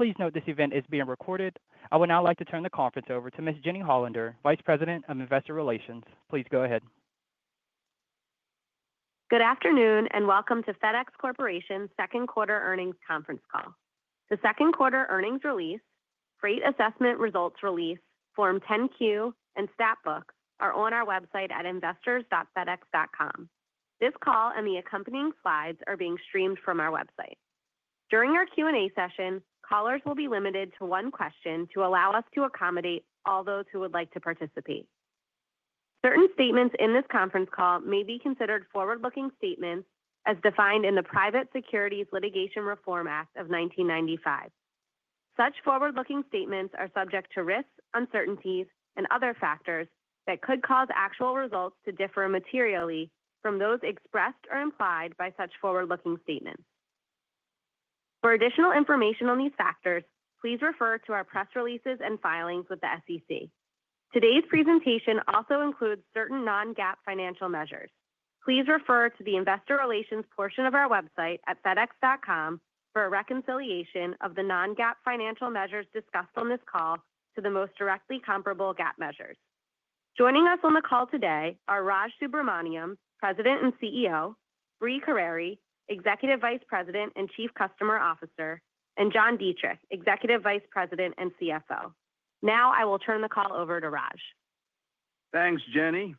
Please note this event is being recorded. I would now like to turn the conference over to Ms. Jenny Hollander, Vice President of Investor Relations. Please go ahead. Good afternoon and welcome to FedEx Corporation's second quarter earnings conference call. The second quarter earnings release, freight assessment results release, Form 10-Q, and stat books are on our website at investors.fedex.com. This call and the accompanying slides are being streamed from our website. During our Q&A session, callers will be limited to one question to allow us to accommodate all those who would like to participate. Certain statements in this conference call may be considered forward-looking statements as defined in the Private Securities Litigation Reform Act of 1995. Such forward-looking statements are subject to risks, uncertainties, and other factors that could cause actual results to differ materially from those expressed or implied by such forward-looking statements. For additional information on these factors, please refer to our press releases and filings with the SEC. Today's presentation also includes certain non-GAAP financial measures. Please refer to the Investor Relations portion of our website at fedex.com for a reconciliation of the non-GAAP financial measures discussed on this call to the most directly comparable GAAP measures. Joining us on the call today are Raj Subramaniam, President and CEO, Brie Carere, Executive Vice President and Chief Customer Officer, and John Dietrich, Executive Vice President and CFO. Now I will turn the call over to Raj. Thanks, Jenny.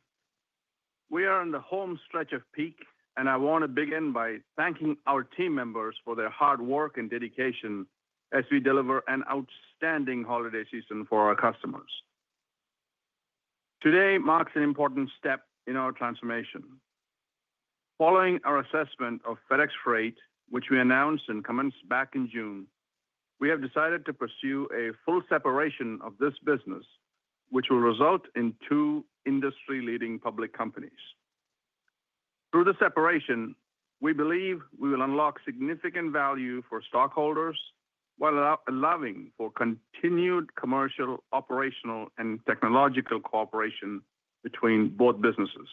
We are on the home stretch of peak, and I want to begin by thanking our team members for their hard work and dedication as we deliver an outstanding holiday season for our customers. Today marks an important step in our transformation. Following our assessment of FedEx Freight, which we announced and commenced back in June, we have decided to pursue a full separation of this business, which will result in two industry-leading public companies. Through the separation, we believe we will unlock significant value for stockholders while allowing for continued commercial, operational, and technological cooperation between both businesses.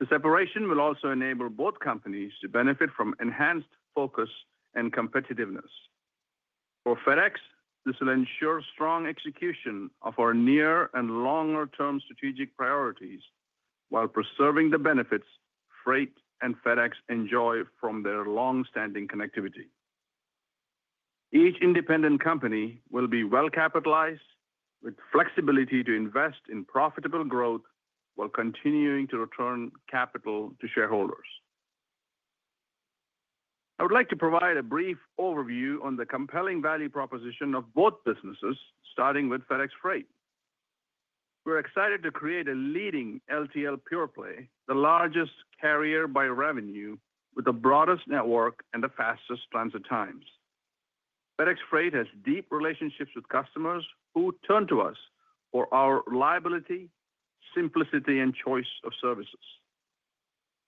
The separation will also enable both companies to benefit from enhanced focus and competitiveness. For FedEx, this will ensure strong execution of our near and longer-term strategic priorities while preserving the benefits FedEx Freight and FedEx enjoy from their long-standing connectivity. Each independent company will be well-capitalized, with flexibility to invest in profitable growth while continuing to return capital to shareholders. I would like to provide a brief overview on the compelling value proposition of both businesses, starting with FedEx Freight. We're excited to create a leading LTL pure play, the largest carrier by revenue, with the broadest network and the fastest linehaul times. FedEx Freight has deep relationships with customers who turn to us for our reliability, simplicity, and choice of services.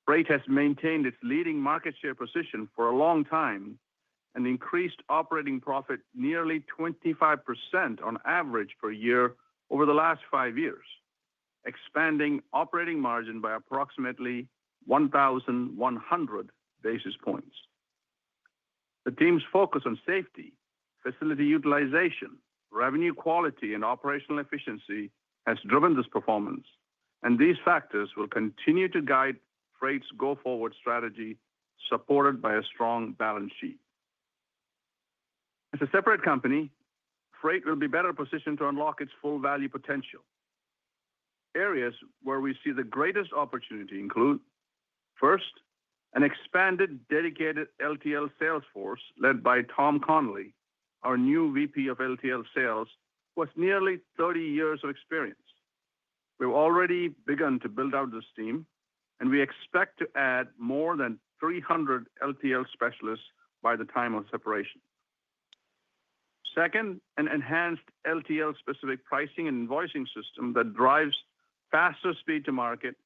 Freight has maintained its leading market share position for a long time and increased operating profit nearly 25% on average per year over the last five years, expanding operating margin by approximately 1,100 basis points. The team's focus on safety, facility utilization, revenue quality, and operational efficiency has driven this performance, and these factors will continue to guide freight's go-forward strategy, supported by a strong balance sheet. As a separate company, freight will be better positioned to unlock its full value potential. Areas where we see the greatest opportunity include, first, an expanded dedicated LTL sales force led by Tom Connolly, our new VP of LTL sales, who has nearly 30 years of experience. We've already begun to build out this team, and we expect to add more than 300 LTL specialists by the time of separation. Second, an enhanced LTL-specific pricing and invoicing system that drives faster speed to market,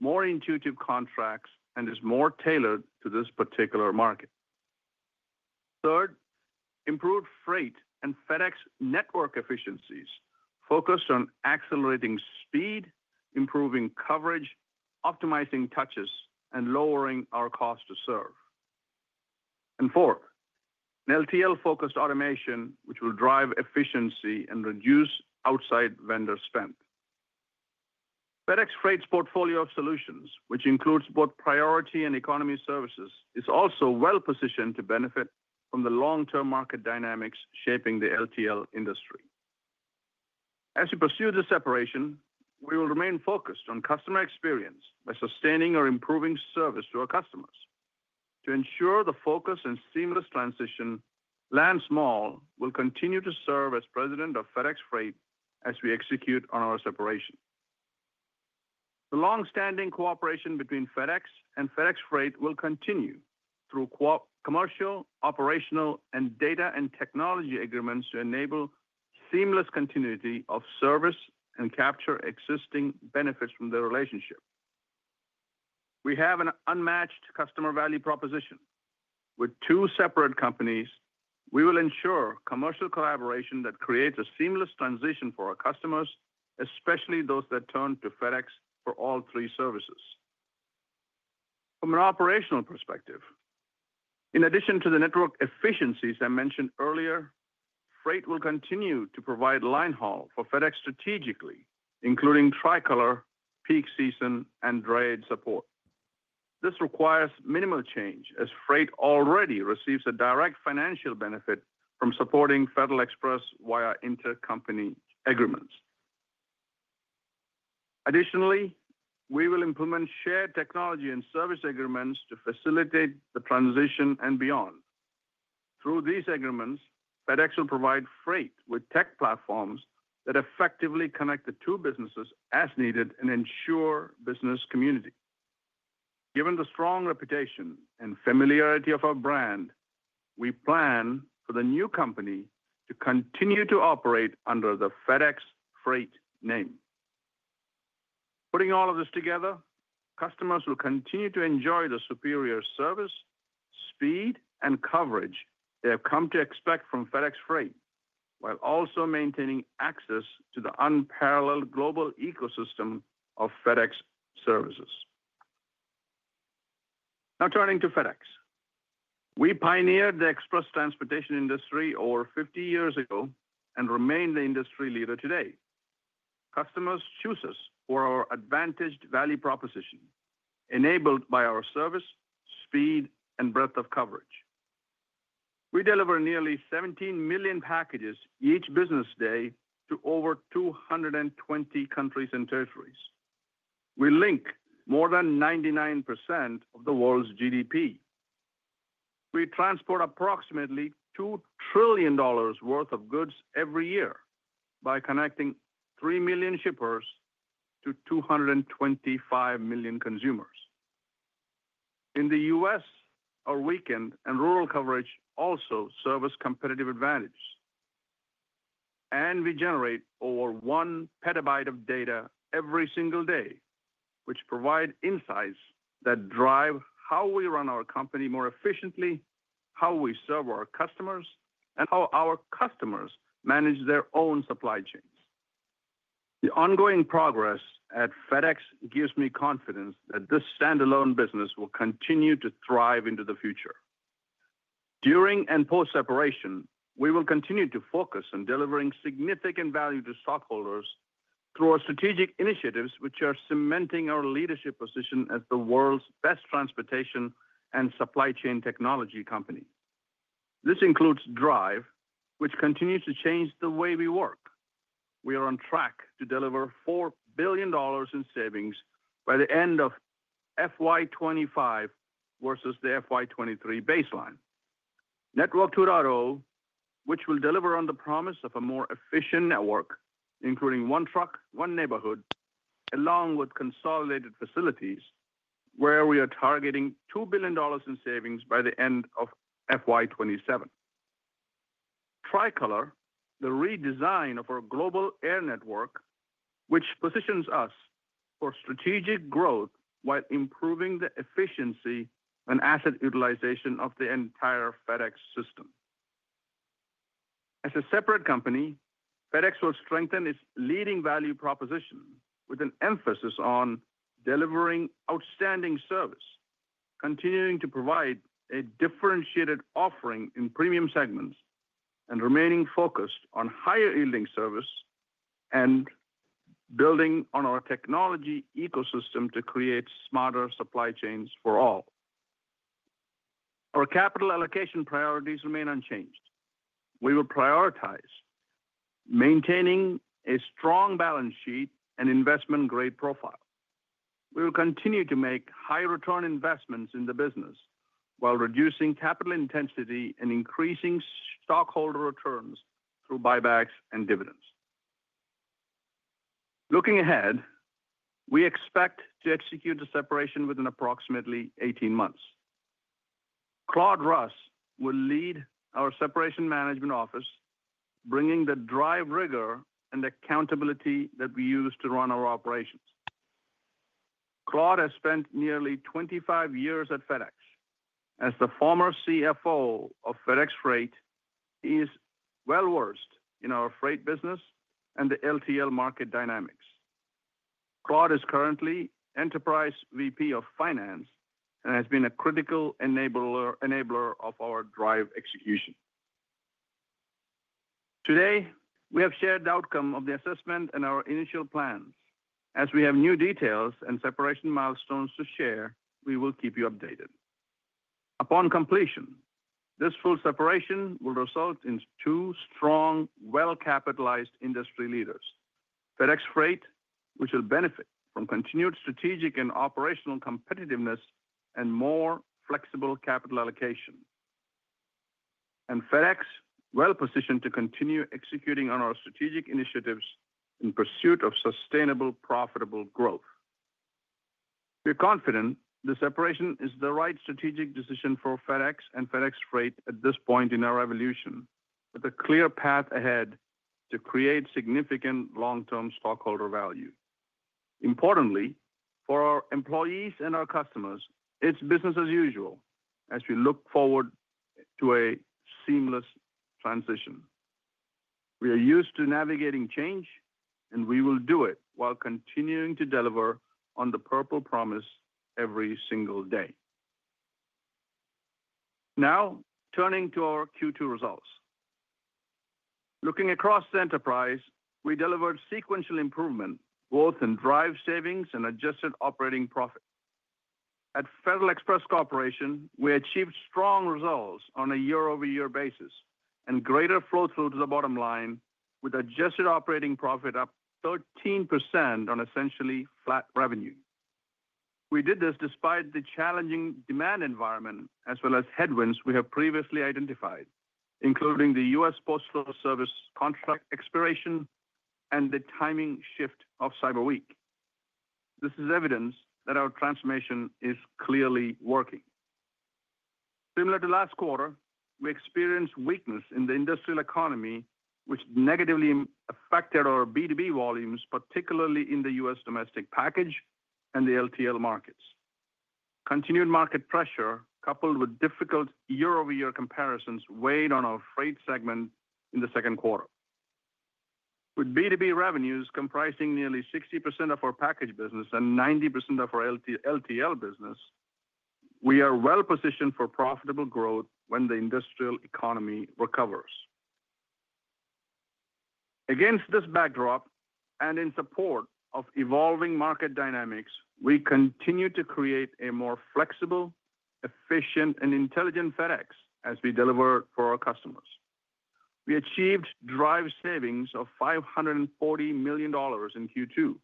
more intuitive contracts, and is more tailored to this particular market. Third, improved freight and FedEx network efficiencies focused on accelerating speed, improving coverage, optimizing touches, and lowering our cost to serve. And fourth, LTL-focused automation, which will drive efficiency and reduce outside vendor spend. FedEx Freight's portfolio of solutions, which includes both priority and economy services, is also well-positioned to benefit from the long-term market dynamics shaping the LTL industry. As we pursue the separation, we will remain focused on customer experience by sustaining or improving service to our customers. To ensure the focus and seamless transition, Lance Moll will continue to serve as President of FedEx Freight as we execute on our separation. The long-standing cooperation between FedEx and FedEx Freight will continue through commercial, operational, and data and technology agreements to enable seamless continuity of service and capture existing benefits from the relationship. We have an unmatched customer value proposition. With two separate companies, we will ensure commercial collaboration that creates a seamless transition for our customers, especially those that turn to FedEx for all three services. From an operational perspective, in addition to the network efficiencies I mentioned earlier, freight will continue to provide linehaul for FedEx strategically, including Tricolor, peak season, and dryage support. This requires minimal change as freight already receives a direct financial benefit from supporting Federal Express via intercompany agreements. Additionally, we will implement shared technology and service agreements to facilitate the transition and beyond. Through these agreements, FedEx will provide freight with tech platforms that effectively connect the two businesses as needed and ensure business continuity. Given the strong reputation and familiarity of our brand, we plan for the new company to continue to operate under the FedEx Freight name. Putting all of this together, customers will continue to enjoy the superior service, speed, and coverage they have come to expect from FedEx Freight while also maintaining access to the unparalleled global ecosystem of FedEx services. Now turning to FedEx. We pioneered the Express transportation industry over 50 years ago and remain the industry leader today. Customers choose us for our advantaged value proposition enabled by our service, speed, and breadth of coverage. We deliver nearly 17 million packages each business day to over 220 countries and territories. We link more than 99% of the world's GDP. We transport approximately $2 trillion worth of goods every year by connecting 3 million shippers to 225 million consumers. In the U.S., our weekend and rural coverage also serve as competitive advantages. And we generate over one petabyte of data every single day, which provides insights that drive how we run our company more efficiently, how we serve our customers, and how our customers manage their own supply chains. The ongoing progress at FedEx gives me confidence that this standalone business will continue to thrive into the future. During and post-separation, we will continue to focus on delivering significant value to stockholders through our strategic initiatives, which are cementing our leadership position as the world's best transportation and supply chain technology company. This includes Drive, which continues to change the way we work. We are on track to deliver $4 billion in savings by the end of FY25 versus the FY23 baseline. Network 2.0, which will deliver on the promise of a more efficient network, including one truck, one neighborhood, along with consolidated facilities, where we are targeting $2 billion in savings by the end of FY27. Tricolor, the redesign of our global air network, which positions us for strategic growth while improving the efficiency and asset utilization of the entire FedEx system. As a separate company, FedEx will strengthen its leading value proposition with an emphasis on delivering outstanding service, continuing to provide a differentiated offering in premium segments, and remaining focused on higher-yielding service and building on our technology ecosystem to create smarter supply chains for all. Our capital allocation priorities remain unchanged. We will prioritize maintaining a strong balance sheet and investment-grade profile. We will continue to make high-return investments in the business while reducing capital intensity and increasing stockholder returns through buybacks and dividends. Looking ahead, we expect to execute the separation within approximately 18 months. Claude Russ will lead our separation management office, bringing the Drive rigor and accountability that we use to run our operations. Claude has spent nearly 25 years at FedEx. As the former CFO of FedEx Freight, he is well-versed in our freight business and the LTL market dynamics. Claude Russ is currently Enterprise Vice President of Finance and has been a critical enabler of our Drive execution. Today, we have shared the outcome of the assessment and our initial plans. As we have new details and separation milestones to share, we will keep you updated. Upon completion, this full separation will result in two strong, well-capitalized industry leaders: FedEx Freight, which will benefit from continued strategic and operational competitiveness and more flexible capital allocation, and FedEx, well-positioned to continue executing on our strategic initiatives in pursuit of sustainable, profitable growth. We are confident the separation is the right strategic decision for FedEx and FedEx Freight at this point in our evolution, with a clear path ahead to create significant long-term stockholder value. Importantly, for our employees and our customers, it's business as usual as we look forward to a seamless transition. We are used to navigating change, and we will do it while continuing to deliver on the Purple Promise every single day. Now turning to our Q2 results. Looking across the enterprise, we delivered sequential improvement, both in Drive savings and adjusted operating profit. At Federal Express Corporation, we achieved strong results on a year-over-year basis and greater flow-through to the bottom line, with adjusted operating profit up 13% on essentially flat revenue. We did this despite the challenging demand environment, as well as headwinds we have previously identified, including the US Postal Service contract expiration and the timing shift of Cyber Week. This is evidence that our transformation is clearly working. Similar to last quarter, we experienced weakness in the industrial economy, which negatively affected our B2B volumes, particularly in the U.S. domestic package and the LTL markets. Continued market pressure, coupled with difficult year-over-year comparisons, weighed on our freight segment in the second quarter. With B2B revenues comprising nearly 60% of our package business and 90% of our LTL business, we are well-positioned for profitable growth when the industrial economy recovers. Against this backdrop and in support of evolving market dynamics, we continue to create a more flexible, efficient, and intelligent FedEx as we deliver for our customers. We achieved Drive savings of $540 million in Q2.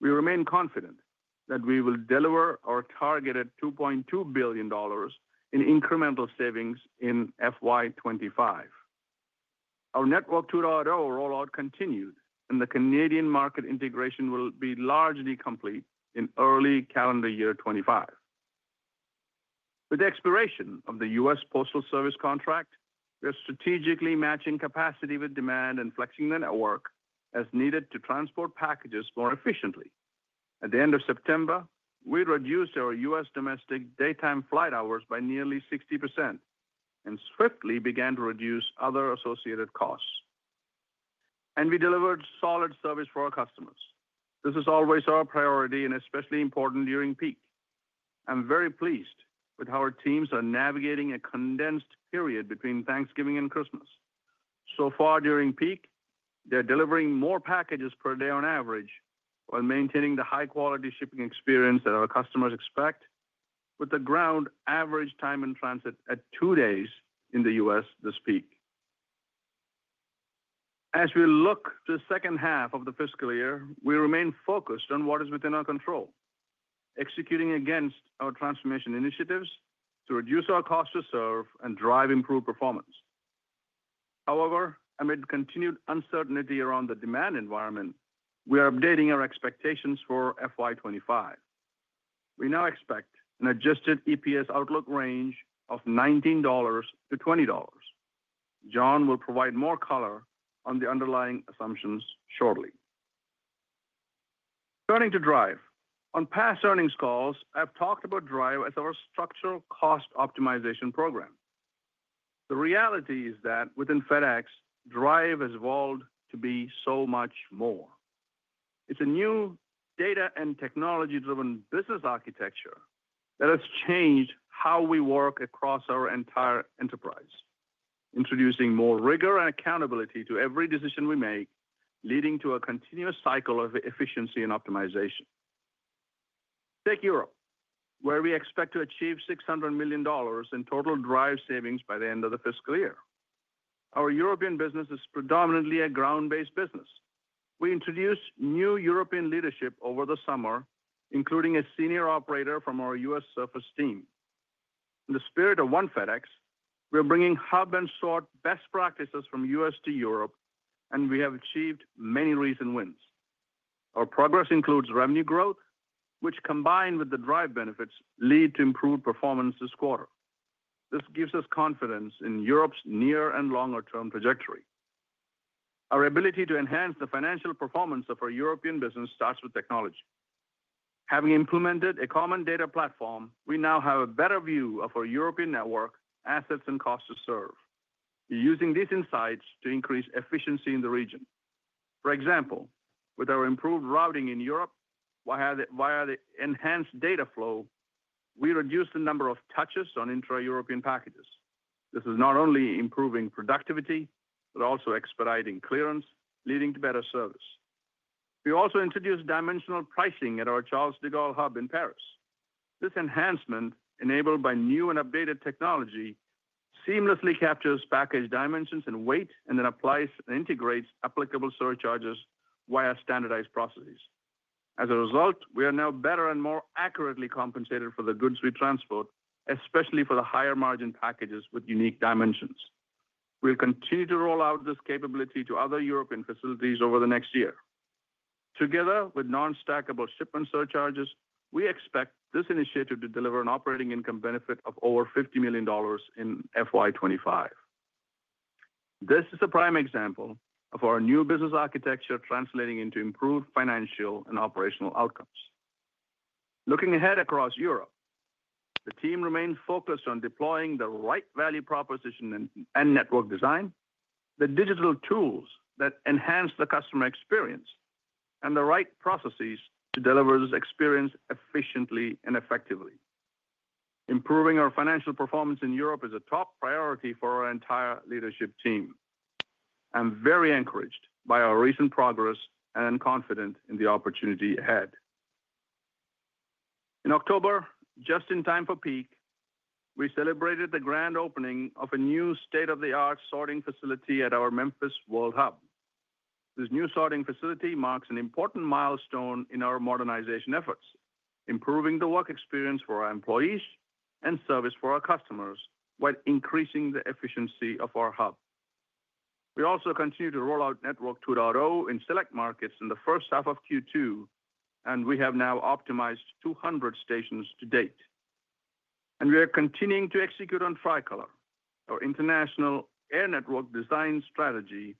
We remain confident that we will deliver our targeted $2.2 billion in incremental savings in FY25. Our Network 2.0 rollout continued, and the Canadian market integration will be largely complete in early calendar year 2025. With the expiration of the US Postal Service contract, we are strategically matching capacity with demand and flexing the network as needed to transport packages more efficiently. At the end of September, we reduced our U.S. domestic daytime flight hours by nearly 60% and swiftly began to reduce other associated costs. And we delivered solid service for our customers. This is always our priority and especially important during peak. I'm very pleased with how our teams are navigating a condensed period between Thanksgiving and Christmas. So far, during peak, they're delivering more packages per day on average while maintaining the high-quality shipping experience that our customers expect, with the Ground average time in transit at two days in the U.S. this peak. As we look to the second half of the fiscal year, we remain focused on what is within our control, executing against our transformation initiatives to reduce our cost to serve and drive improved performance. However, amid continued uncertainty around the demand environment, we are updating our expectations for FY25. We now expect an Adjusted EPS outlook range of $19-$20. John will provide more color on the underlying assumptions shortly. Turning to Drive, on past earnings calls, I've talked about Drive as our structural cost optimization program. The reality is that within FedEx, Drive has evolved to be so much more. It's a new data and technology-driven business architecture that has changed how we work across our entire enterprise, introducing more rigor and accountability to every decision we make, leading to a continuous cycle of efficiency and optimization. Take Europe, where we expect to achieve $600 million in total Drive savings by the end of the fiscal year. Our European business is predominantly a Ground-based business. We introduced new European leadership over the summer, including a senior operator from our U.S. service team. In the spirit of One FedEx, we are bringing hub-and-spoke best practices from US to Europe, and we have achieved many recent wins. Our progress includes revenue growth, which, combined with the Drive benefits, leads to improved performance this quarter. This gives us confidence in Europe's near and longer-term trajectory. Our ability to enhance the financial performance of our European business starts with technology. Having implemented a common data platform, we now have a better view of our European network, assets, and cost to serve. We're using these insights to increase efficiency in the region. For example, with our improved routing in Europe via the enhanced data flow, we reduced the number of touches on intra-European packages. This is not only improving productivity, but also expediting clearance, leading to better service. We also introduced dimensional pricing at our Charles de Gaulle hub in Paris. This enhancement, enabled by new and updated technology, seamlessly captures package dimensions and weight and then applies and integrates applicable surcharges via standardized processes. As a result, we are now better and more accurately compensated for the goods we transport, especially for the higher-margin packages with unique dimensions. We'll continue to roll out this capability to other European facilities over the next year. Together with non-stackable shipment surcharges, we expect this initiative to deliver an operating income benefit of over $50 million in FY25. This is a prime example of our new business architecture translating into improved financial and operational outcomes. Looking ahead across Europe, the team remains focused on deploying the right value proposition and network design, the digital tools that enhance the customer experience, and the right processes to deliver this experience efficiently and effectively. Improving our financial performance in Europe is a top priority for our entire leadership team. I'm very encouraged by our recent progress and confident in the opportunity ahead. In October, just in time for peak, we celebrated the grand opening of a new state-of-the-art sorting facility at our Memphis World Hub. This new sorting facility marks an important milestone in our modernization efforts, improving the work experience for our employees and service for our customers while increasing the efficiency of our hub. We also continue to roll out Network 2.0 in select markets in the first half of Q2, and we have now optimized 200 stations to date, and we are continuing to execute on Tricolor, our international air network design strategy,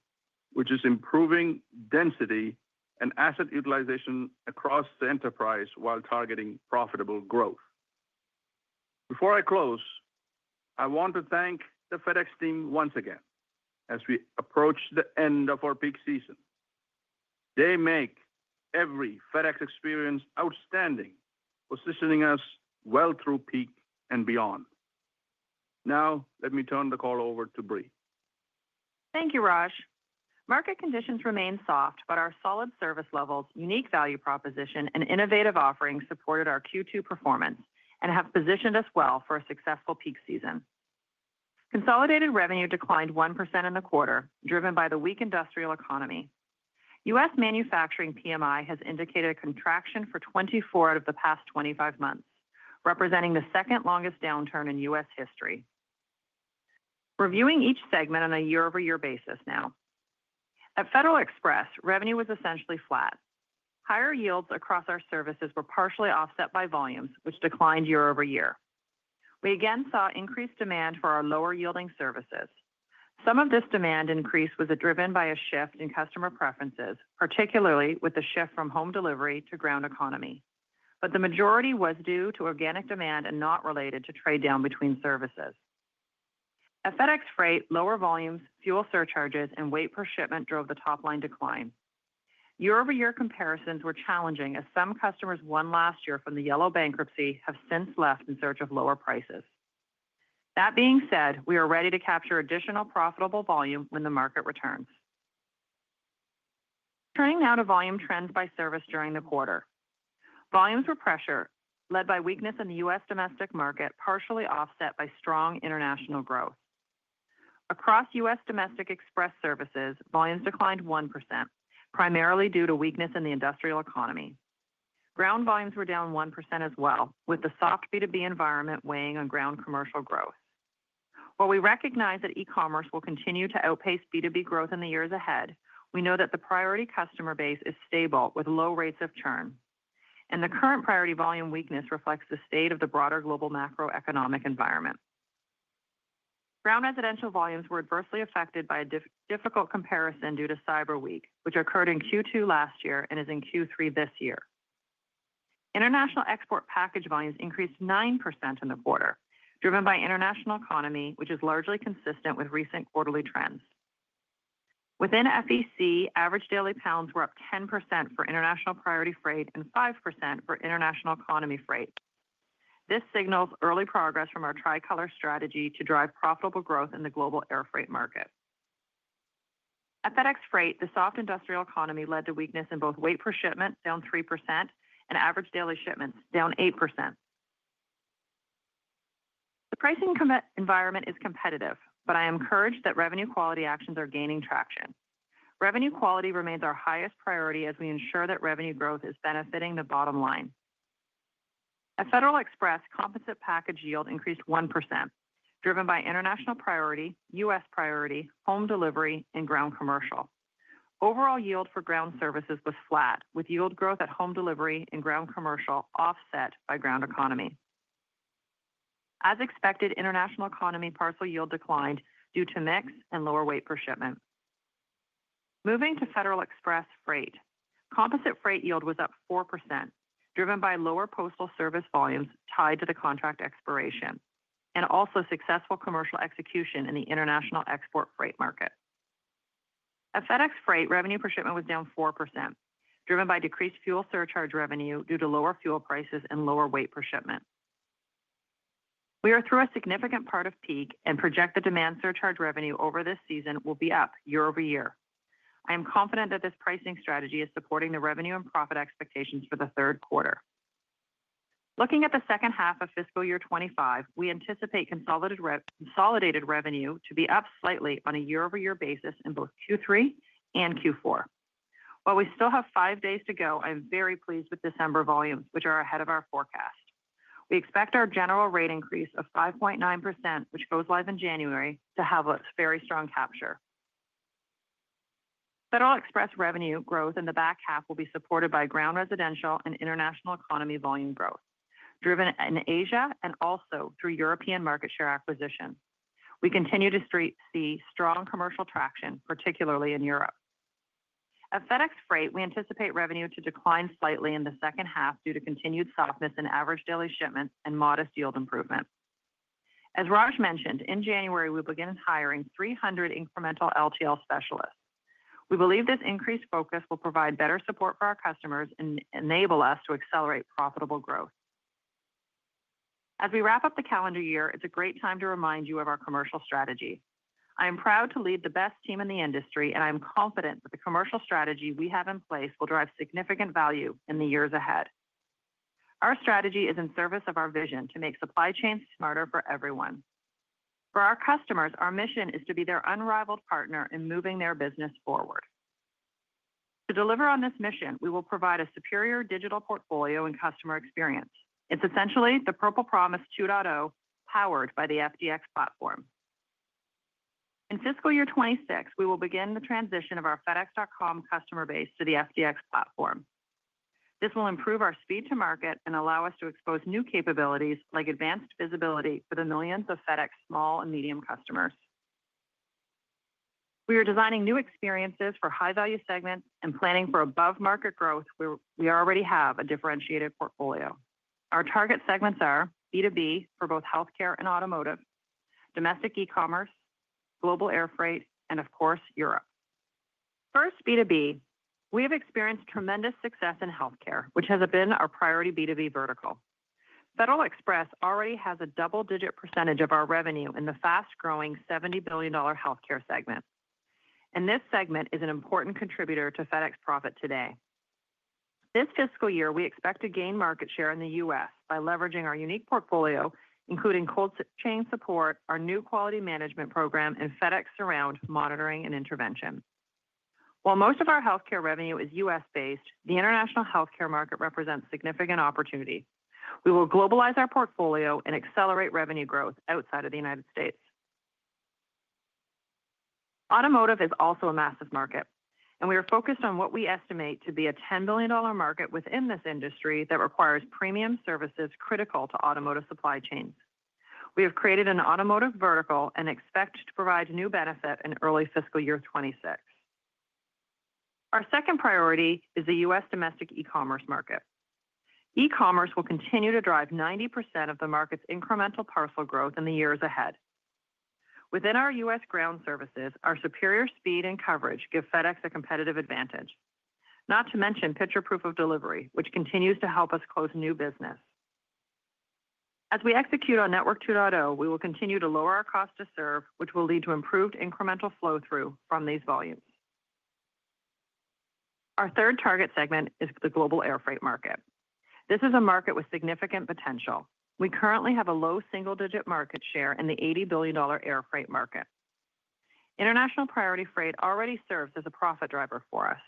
which is improving density and asset utilization across the enterprise while targeting profitable growth. Before I close, I want to thank the FedEx team once again as we approach the end of our peak season. They make every FedEx experience outstanding, positioning us well through peak and beyond. Now, let me turn the call over to Brie. Thank you, Raj. Market conditions remain soft, but our solid service levels, unique value proposition, and innovative offering supported our Q2 performance and have positioned us well for a successful peak season. Consolidated revenue declined 1% in the quarter, driven by the weak industrial economy. U.S. manufacturing PMI has indicated a contraction for 24 out of the past 25 months, representing the second-longest downturn in U.S. history. Reviewing each segment on a year-over-year basis now. At Federal Express, revenue was essentially flat. Higher yields across our services were partially offset by volumes, which declined year-over-year. We again saw increased demand for our lower-yielding services. Some of this demand increase was driven by a shift in customer preferences, particularly with the shift from Home Delivery to Ground Economy. But the majority was due to organic demand and not related to trade down between services. At FedEx Freight, lower volumes, fuel surcharges, and weight per shipment drove the top-line decline. Year-over-year comparisons were challenging, as some customers won last year from the Yellow bankruptcy have since left in search of lower prices. That being said, we are ready to capture additional profitable volume when the market returns. Turning now to volume trends by service during the quarter. Volumes were pressured, led by weakness in the U.S. domestic market, partially offset by strong international growth. Across U.S. domestic Express services, volumes declined 1%, primarily due to weakness in the industrial economy. Ground volumes were down 1% as well, with the soft B2B environment weighing on Ground Commercial growth. While we recognize that e-commerce will continue to outpace B2B growth in the years ahead, we know that the priority customer base is stable with low rates of churn. And the current priority volume weakness reflects the state of the broader global macroeconomic environment. Ground residential volumes were adversely affected by a difficult comparison due to Cyber Week, which occurred in Q2 last year and is in Q3 this year. International export package volumes increased 9% in the quarter, driven by International Economy, which is largely consistent with recent quarterly trends. Within FEC, average daily pounds were up 10% for International Priority freight and 5% for International Economy Freight. This signals early progress from our Tricolor strategy to drive profitable growth in the global air freight market. At FedEx Freight, the soft industrial economy led to weakness in both weight per shipment, down 3%, and average daily shipments, down 8%. The pricing environment is competitive, but I am encouraged that revenue-quality actions are gaining traction. Revenue quality remains our highest priority as we ensure that revenue growth is benefiting the bottom line. At FedEx Express, composite package yield increased 1%, driven by International Priority, U.S. priority, Home Delivery, and Ground Commercial. Overall yield for Ground services was flat, with yield growth at Home Delivery and Ground Commercial offset by Ground Economy. As expected, international economy parcel yield declined due to mix and lower weight per shipment. Moving to FedEx Freight, composite freight yield was up 4%, driven by lower postal service volumes tied to the contract expiration and also successful commercial execution in the international export freight market. At FedEx Freight, revenue per shipment was down 4%, driven by decreased fuel surcharge revenue due to lower fuel prices and lower weight per shipment. We are through a significant part of peak and project that demand surcharge revenue over this season will be up year-over-year. I am confident that this pricing strategy is supporting the revenue and profit expectations for the third quarter. Looking at the second half of fiscal year 2025, we anticipate consolidated revenue to be up slightly on a year-over-year basis in both Q3 and Q4. While we still have five days to go, I'm very pleased with December volumes, which are ahead of our forecast. We expect our general rate increase of 5.9%, which goes live in January, to have a very strong capture. FedEx Express revenue growth in the back half will be supported by Ground residential and international economy volume growth, driven in Asia and also through European market share acquisition. We continue to see strong commercial traction, particularly in Europe. At FedEx Freight, we anticipate revenue to decline slightly in the second half due to continued softness in average daily shipments and modest yield improvement. As Raj mentioned, in January, we'll begin hiring 300 incremental LTL specialists. We believe this increased focus will provide better support for our customers and enable us to accelerate profitable growth. As we wrap up the calendar year, it's a great time to remind you of our commercial strategy. I am proud to lead the best team in the industry, and I'm confident that the commercial strategy we have in place will drive significant value in the years ahead. Our strategy is in service of our vision to make supply chains smarter for everyone. For our customers, our mission is to be their unrivaled partner in moving their business forward. To deliver on this mission, we will provide a superior digital portfolio and customer experience. It's essentially the Purple Promise 2.0 powered by the fdx platform. In fiscal year 2026, we will begin the transition of our FedEx.com customer base to the fdx platform. This will improve our speed to market and allow us to expose new capabilities like advanced visibility for the millions of FedEx small and medium customers. We are designing new experiences for high-value segments and planning for above-market growth where we already have a differentiated portfolio. Our target segments are B2B for both healthcare and automotive, domestic e-commerce, global air freight, and of course, Europe. First, B2B, we have experienced tremendous success in healthcare, which has been our priority B2B vertical. Federal Express already has a double-digit percentage of our revenue in the fast-growing $70 billion healthcare segment. And this segment is an important contributor to FedEx profit today. This fiscal year, we expect to gain market share in the US by leveraging our unique portfolio, including cold chain support, our new quality management program, and FedEx Surround monitoring and intervention. While most of our healthcare revenue is US-based, the international healthcare market represents significant opportunity. We will globalize our portfolio and accelerate revenue growth outside of the United States. Automotive is also a massive market, and we are focused on what we estimate to be a $10 billion market within this industry that requires premium services critical to automotive supply chains. We have created an automotive vertical and expect to provide new benefit in early fiscal year 2026. Our second priority is the U.S. domestic e-commerce market. E-commerce will continue to drive 90% of the market's incremental parcel growth in the years ahead. Within our U.S. Ground services, our superior speed and coverage give FedEx a competitive advantage, not to mention picture-proof of delivery, which continues to help us close new business. As we execute on Network 2.0, we will continue to lower our cost to serve, which will lead to improved incremental flow-through from these volumes. Our third target segment is the global air freight market. This is a market with significant potential. We currently have a low single-digit market share in the $80 billion air freight market. International Priority Freight already serves as a profit driver for us.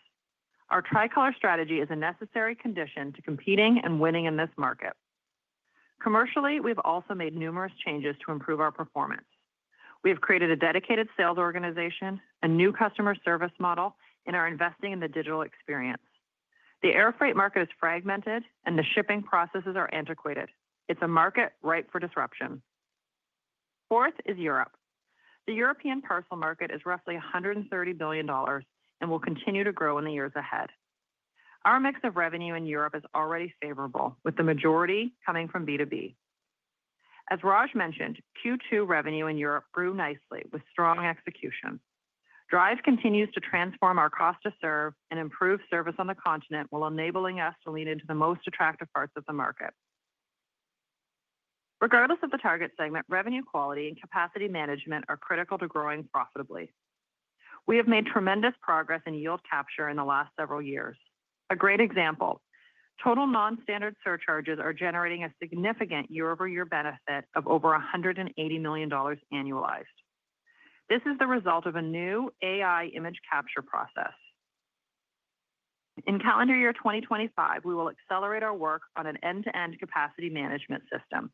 Our Tricolor strategy is a necessary condition to competing and winning in this market. Commercially, we have also made numerous changes to improve our performance. We have created a dedicated sales organization, a new customer service model, and are investing in the digital experience. The air freight market is fragmented, and the shipping processes are antiquated. It's a market ripe for disruption. Fourth is Europe. The European parcel market is roughly $130 billion and will continue to grow in the years ahead. Our mix of revenue in Europe is already favorable, with the majority coming from B2B. As Raj mentioned, Q2 revenue in Europe grew nicely with strong execution. Drive continues to transform our cost to serve and improve service on the continent while enabling us to lean into the most attractive parts of the market. Regardless of the target segment, revenue quality and capacity management are critical to growing profitably. We have made tremendous progress in yield capture in the last several years. A great example, total non-standard surcharges are generating a significant year-over-year benefit of over $180 million annualized. This is the result of a new AI image capture process. In calendar year 2025, we will accelerate our work on an end-to-end capacity management system.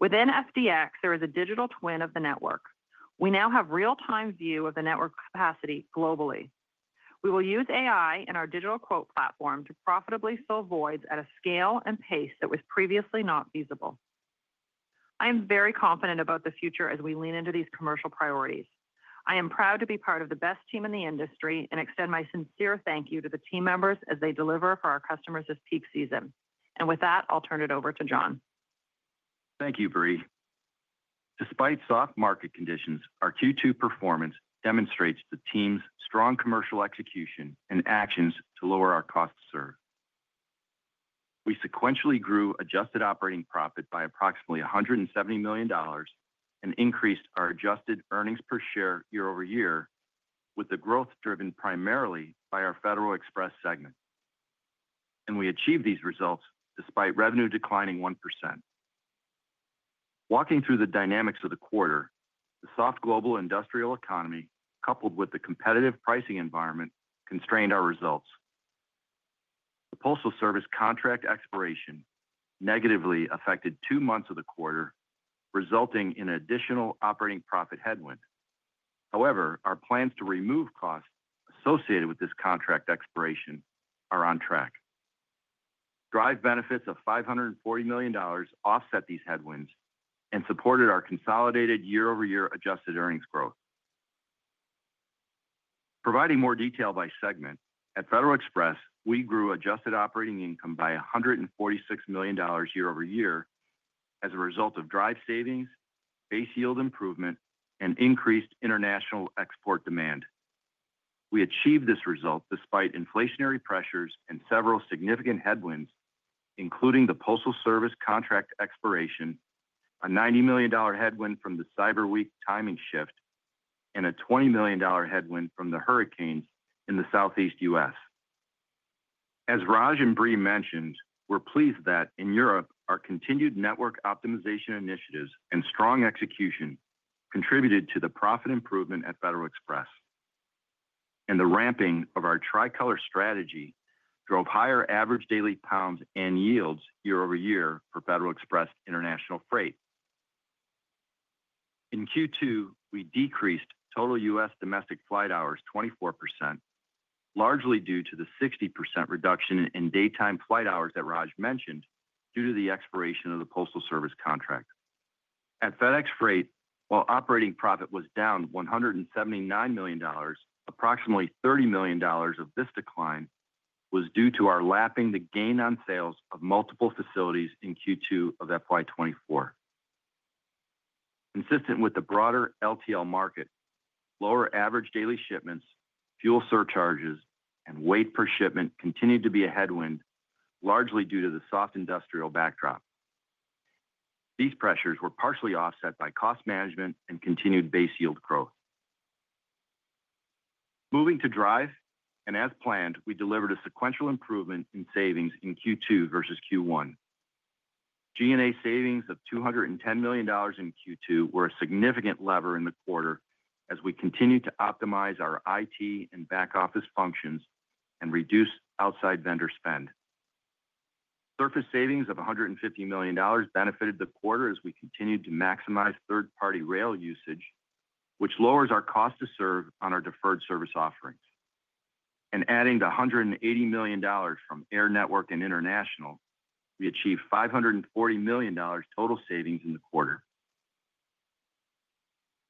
Within fdx, there is a digital twin of the network. We now have real-time view of the network capacity globally. We will use AI and our digital quote platform to profitably fill voids at a scale and pace that was previously not feasible. I am very confident about the future as we lean into these commercial priorities. I am proud to be part of the best team in the industry and extend my sincere thank you to the team members as they deliver for our customers this peak season. And with that, I'll turn it over to John. Thank you, Brie. Despite soft market conditions, our Q2 performance demonstrates the team's strong commercial execution and actions to lower our cost to serve. We sequentially grew adjusted operating profit by approximately $170 million and increased our adjusted earnings per share year-over-year, with the growth driven primarily by our FedEx Express segment. And we achieved these results despite revenue declining 1%. Walking through the dynamics of the quarter, the soft global industrial economy, coupled with the competitive pricing environment, constrained our results. The postal service contract expiration negatively affected two months of the quarter, resulting in an additional operating profit headwind. However, our plans to remove costs associated with this contract expiration are on track. Drive benefits of $540 million offset these headwinds and supported our consolidated year-over-year adjusted earnings growth. Providing more detail by segment, at FedEx Express, we grew adjusted operating income by $146 million year-over-year as a result of Drive savings, base yield improvement, and increased international export demand. We achieved this result despite inflationary pressures and several significant headwinds, including the postal service contract expiration, a $90 million headwind from the Cyber Week timing shift, and a $20 million headwind from the hurricanes in the Southeast US. As Raj and Brie mentioned, we're pleased that in Europe, our continued network optimization initiatives and strong execution contributed to the profit improvement at FedEx Express. And the ramping of our Tricolor strategy drove higher average daily pounds and yields year-over-year for FedEx Express international freight. In Q2, we decreased total U.S. domestic flight hours 24%, largely due to the 60% reduction in daytime flight hours that Raj mentioned due to the expiration of the postal service contract. At FedEx Freight, while operating profit was down $179 million, approximately $30 million of this decline was due to our lapping the gain on sales of multiple facilities in Q2 of FY24. Consistent with the broader LTL market, lower average daily shipments, fuel surcharges, and weight per shipment continued to be a headwind, largely due to the soft industrial backdrop. These pressures were partially offset by cost management and continued base yield growth. Moving to Drive, and as planned, we delivered a sequential improvement in savings in Q2 versus Q1. G&A savings of $210 million in Q2 were a significant lever in the quarter as we continued to optimize our IT and back office functions and reduce outside vendor spend. Surface savings of $150 million benefited the quarter as we continued to maximize third-party rail usage, which lowers our cost to serve on our deferred service offerings. And adding the $180 million from air network and international, we achieved $540 million total savings in the quarter.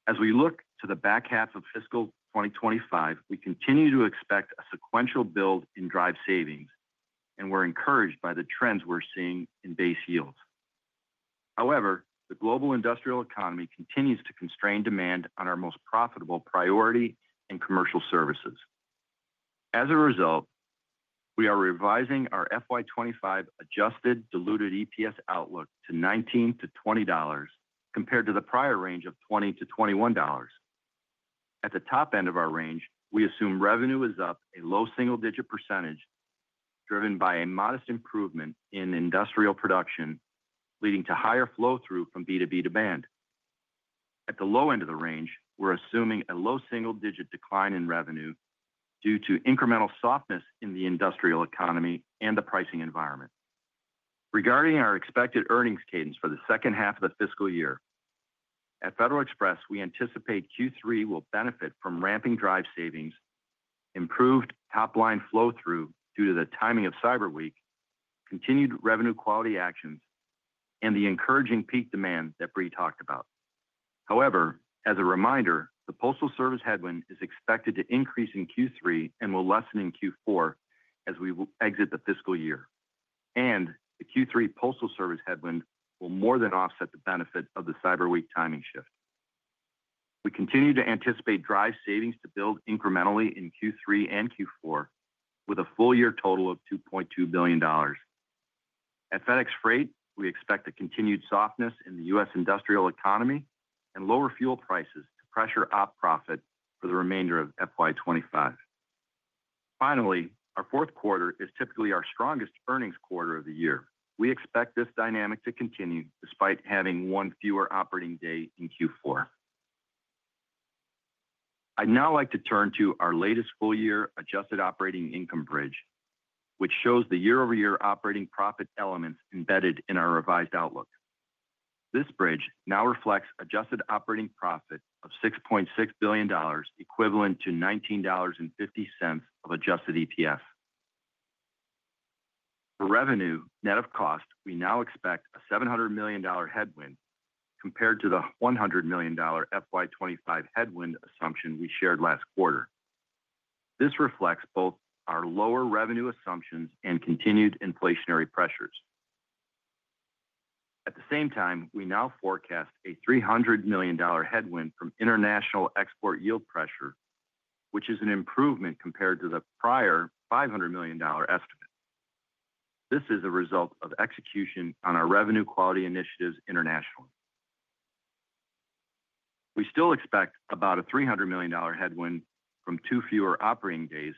As we look to the back half of fiscal 2025, we continue to expect a sequential build in Drive savings, and we're encouraged by the trends we're seeing in base yields. However, the global industrial economy continues to constrain demand on our most profitable priority and commercial services. As a result, we are revising our FY25 adjusted diluted EPS outlook to $19-$20 compared to the prior range of $20-$21. At the top end of our range, we assume revenue is up a low single-digit percentage driven by a modest improvement in industrial production, leading to higher flow-through from B2B demand. At the low end of the range, we're assuming a low single-digit decline in revenue due to incremental softness in the industrial economy and the pricing environment. Regarding our expected earnings cadence for the second half of the fiscal year, at FedEx Express, we anticipate Q3 will benefit from ramping Drive savings, improved top-line flow-through due to the timing of Cyber Week, continued revenue quality actions, and the encouraging peak demand that Brie talked about. However, as a reminder, the postal service headwind is expected to increase in Q3 and will lessen in Q4 as we exit the fiscal year and the Q3 postal service headwind will more than offset the benefit of the Cyber Week timing shift. We continue to anticipate Drive savings to build incrementally in Q3 and Q4 with a full year total of $2.2 billion. At FedEx Freight, we expect a continued softness in the U.S. industrial economy and lower fuel prices to pressure operating profit for the remainder of FY25. Finally, our fourth quarter is typically our strongest earnings quarter of the year. We expect this dynamic to continue despite having one fewer operating day in Q4. I'd now like to turn to our latest full year adjusted operating income bridge, which shows the year-over-year operating profit elements embedded in our revised outlook. This bridge now reflects adjusted operating profit of $6.6 billion, equivalent to $19.50 of adjusted EPS. For revenue, net of cost, we now expect a $700 million headwind compared to the $100 million FY25 headwind assumption we shared last quarter. This reflects both our lower revenue assumptions and continued inflationary pressures. At the same time, we now forecast a $300 million headwind from international export yield pressure, which is an improvement compared to the prior $500 million estimate. This is a result of execution on our revenue quality initiatives internationally. We still expect about a $300 million headwind from two fewer operating days,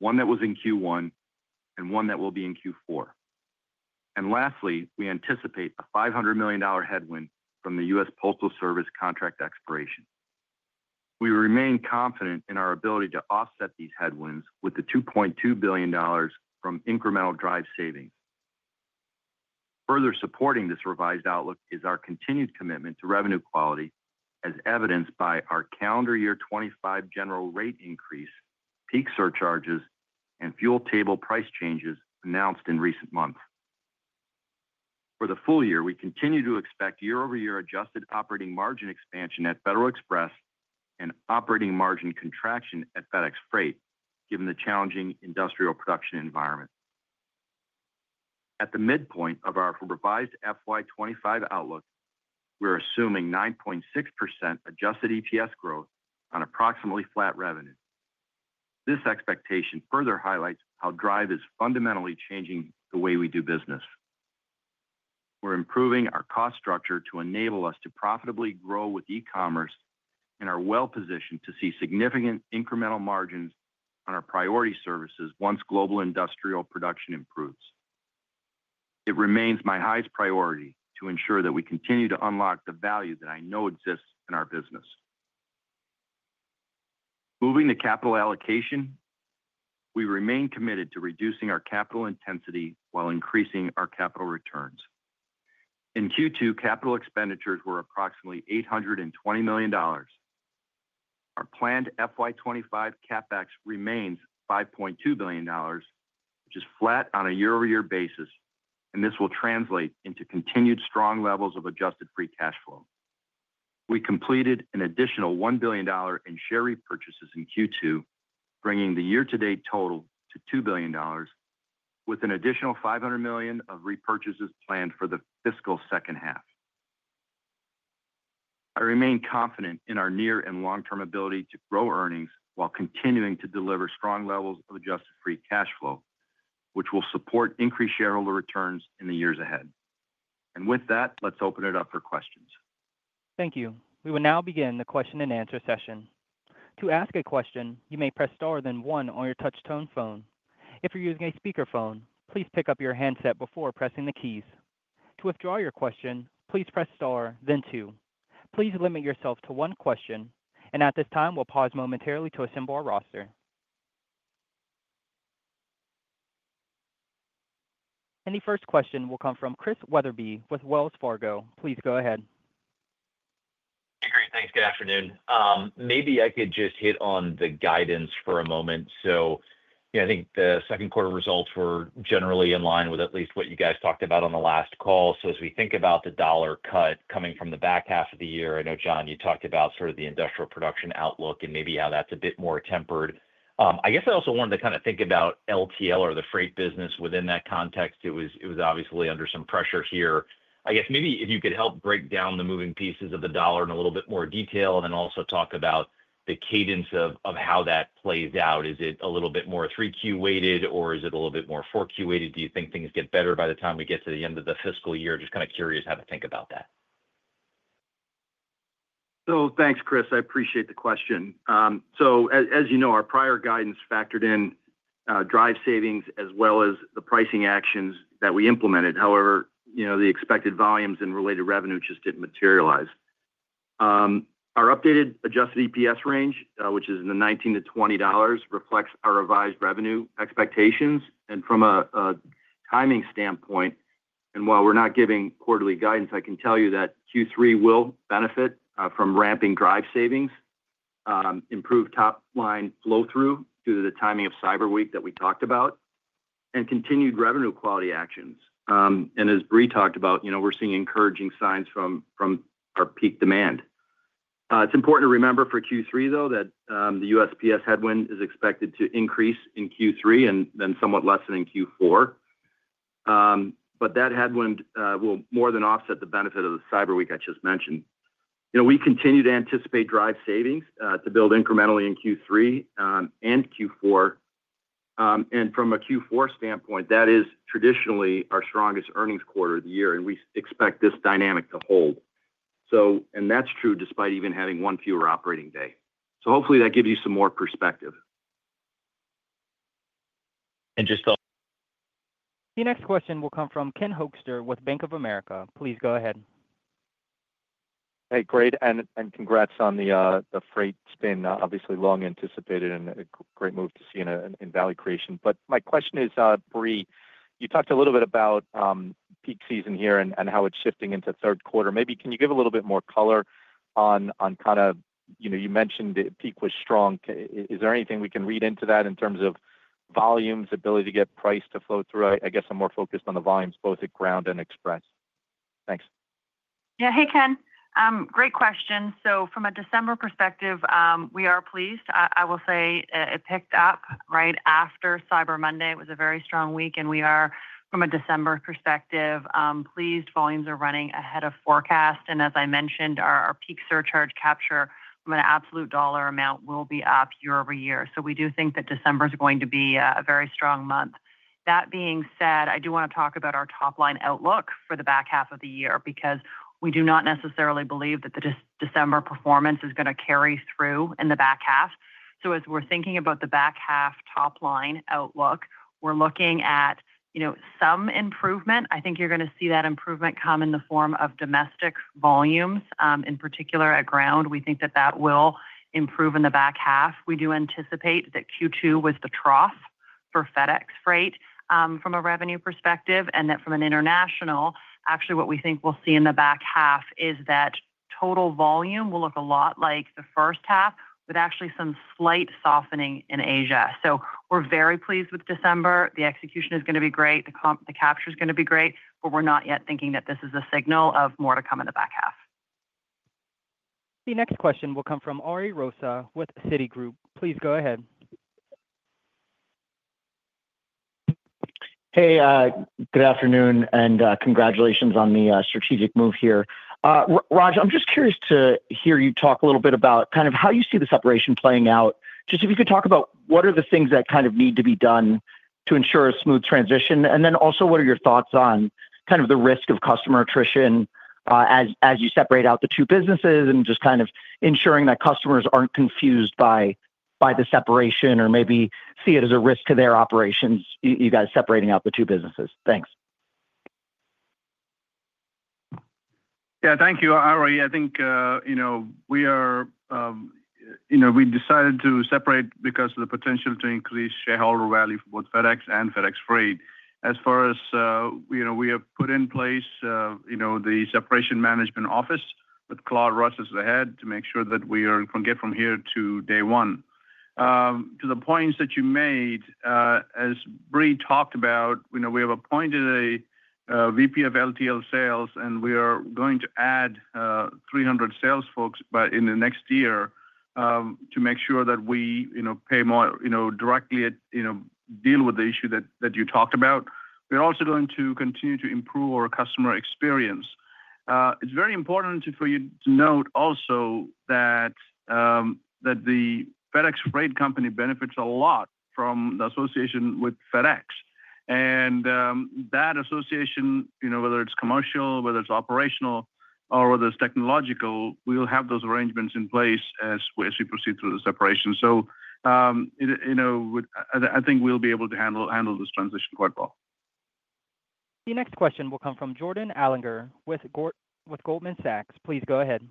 one that was in Q1 and one that will be in Q4, and lastly, we anticipate a $500 million headwind from the U.S. Postal Service contract expiration. We remain confident in our ability to offset these headwinds with the $2.2 billion from incremental Drive savings. Further supporting this revised outlook is our continued commitment to revenue quality, as evidenced by our calendar year 2025 General Rate Increase, peak surcharges, and fuel table price changes announced in recent months. For the full year, we continue to expect year-over-year adjusted operating margin expansion at FedEx Express and operating margin contraction at FedEx Freight, given the challenging industrial production environment. At the midpoint of our revised FY25 outlook, we're assuming 9.6% adjusted EPS growth on approximately flat revenue. This expectation further highlights how Drive is fundamentally changing the way we do business. We're improving our cost structure to enable us to profitably grow with e-commerce and are well-positioned to see significant incremental margins on our priority services once global industrial production improves. It remains my highest priority to ensure that we continue to unlock the value that I know exists in our business. Moving to capital allocation, we remain committed to reducing our capital intensity while increasing our capital returns. In Q2, capital expenditures were approximately $820 million. Our planned FY25 CapEx remains $5.2 billion, which is flat on a year-over-year basis, and this will translate into continued strong levels of adjusted free cash flow. We completed an additional $1 billion in share repurchases in Q2, bringing the year-to-date total to $2 billion, with an additional $500 million of repurchases planned for the fiscal second half. I remain confident in our near and long-term ability to grow earnings while continuing to deliver strong levels of adjusted free cash flow, which will support increased shareholder returns in the years ahead. And with that, let's open it up for questions. Thank you. We will now begin the question and answer session. To ask a question, you may press star then one on your touch-tone phone. If you're using a speakerphone, please pick up your handset before pressing the keys. To withdraw your question, please press star, then two. Please limit yourself to one question, and at this time, we'll pause momentarily to assemble our roster. And the first question will come from Chris Wetherbee with Wells Fargo. Please go ahead. Hey, guys. Thanks. Good afternoon. Maybe I could just hit on the guidance for a moment. So I think the second quarter results were generally in line with at least what you guys talked about on the last call. So as we think about the dollar cut coming from the back half of the year, I know, John, you talked about sort of the industrial production outlook and maybe how that's a bit more tempered. I guess I also wanted to kind of think about LTL or the freight business within that context. It was obviously under some pressure here. I guess maybe if you could help break down the moving pieces of the dollar in a little bit more detail and then also talk about the cadence of how that plays out. Is it a little bit more 3Q weighted, or is it a little bit more 4Q weighted? Do you think things get better by the time we get to the end of the fiscal year? Just kind of curious how to think about that. So thanks, Chris. I appreciate the question. So as you know, our prior guidance factored in Drive savings as well as the pricing actions that we implemented. However, the expected volumes and related revenue just didn't materialize. Our updated Adjusted EPS range, which is $19-$20, reflects our revised revenue expectations. From a timing standpoint, while we're not giving quarterly guidance, I can tell you that Q3 will benefit from ramping Drive savings, improved top-line flow-through due to the timing of Cyber Week that we talked about, and continued revenue quality actions. As Brie talked about, we're seeing encouraging signs from our peak demand. It's important to remember for Q3, though, that the USPS headwind is expected to increase in Q3 and then somewhat lessen in Q4. That headwind will more than offset the benefit of the Cyber Week I just mentioned. We continue to anticipate Drive savings to build incrementally in Q3 and Q4. From a Q4 standpoint, that is traditionally our strongest earnings quarter of the year, and we expect this dynamic to hold. That's true despite even having one fewer operating day. Hopefully that gives you some more perspective. Just that. The next question will come from Ken Hoexter with Bank of America. Please go ahead. Hey. Great. And congrats on the freight spin. Obviously long anticipated and a great move to see in value creation. But my question is, Brie, you talked a little bit about peak season here and how it's shifting into third quarter. Maybe can you give a little bit more color on kind of you mentioned that peak was strong. Is there anything we can read into that in terms of volumes, ability to get price to flow through? I guess I'm more focused on the volumes, both at ground and Express. Thanks. Yeah. Hey, Ken. Great question. So from a December perspective, we are pleased. I will say it picked up right after Cyber Monday. It was a very strong week, and we are, from a December perspective, pleased. Volumes are running ahead of forecast. And as I mentioned, our peak surcharge capture from an absolute dollar amount will be up year over year. So we do think that December is going to be a very strong month. That being said, I do want to talk about our top-line outlook for the back half of the year because we do not necessarily believe that the December performance is going to carry through in the back half. So as we're thinking about the back half top-line outlook, we're looking at some improvement. I think you're going to see that improvement come in the form of domestic volumes, in particular at Ground. We think that that will improve in the back half. We do anticipate that Q2 was the trough for FedEx Freight from a revenue perspective. That from an international, actually what we think we'll see in the back half is that total volume will look a lot like the first half with actually some slight softening in Asia. We're very pleased with December. The execution is going to be great. The capture is going to be great, but we're not yet thinking that this is a signal of more to come in the back half. The next question will come from Ariel Rosa with Citigroup. Please go ahead. Hey, good afternoon, and congratulations on the strategic move here. Raj, I'm just curious to hear you talk a little bit about kind of how you see this operation playing out. Just if you could talk about what are the things that kind of need to be done to ensure a smooth transition, and then also what are your thoughts on kind of the risk of customer attrition as you separate out the two businesses and just kind of ensuring that customers aren't confused by the separation or maybe see it as a risk to their operations, you guys separating out the two businesses. Thanks. Yeah, thank you, Ariel. I think we decided to separate because of the potential to increase shareholder value for both FedEx and FedEx Freight. As far as we have put in place the Separation Management Office with Claude Russ as the head to make sure that we get from here to day one. To the points that you made, as Brie talked about, we have appointed a VP of LTL sales, and we are going to add 300 sales folks in the next year to make sure that we pay more directly at deal with the issue that you talked about. We're also going to continue to improve our customer experience. It's very important for you to note also that the FedEx Freight benefits a lot from the association with FedEx. And that association, whether it's commercial, whether it's operational, or whether it's technological, we'll have those arrangements in place as we proceed through the separation. So I think we'll be able to handle this transition quite well. The next question will come from Jordan Alliger with Goldman Sachs. Please go ahead.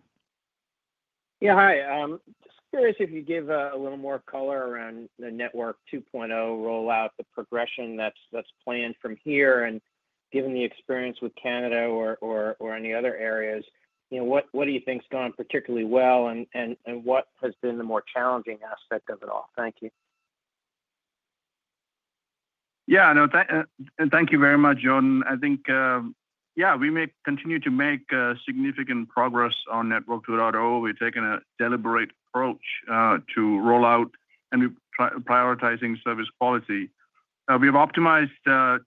Yeah, hi. Just curious if you give a little more color around the Network 2.0 rollout, the progression that's planned from here, and given the experience with Canada or any other areas, what do you think's gone particularly well, and what has been the more challenging aspect of it all? Thank you. Yeah, and thank you very much, John. I think, yeah, we may continue to make significant progress on Network 2.0. We've taken a deliberate approach to rollout and prioritizing service quality. We have optimized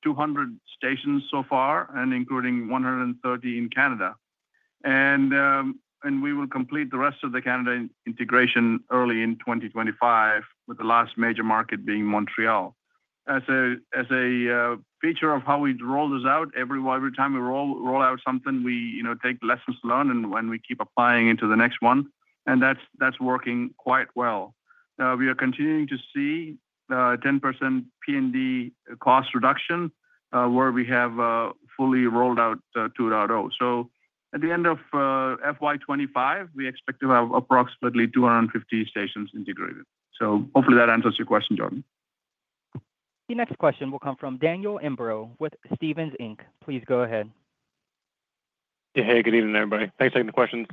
200 stations so far, including 130 in Canada, and we will complete the rest of the Canada integration early in 2025, with the last major market being Montreal. As a feature of how we roll this out, every time we roll out something, we take lessons learned and we keep applying into the next one, and that's working quite well. We are continuing to see 10% P&D cost reduction where we have fully rolled out 2.0. So at the end of FY25, we expect to have approximately 250 stations integrated. So hopefully that answers your question, Jordan. The next question will come from Daniel Imbro with Stephens Inc. Please go ahead. Hey, good evening, everybody. Thanks for taking the questions.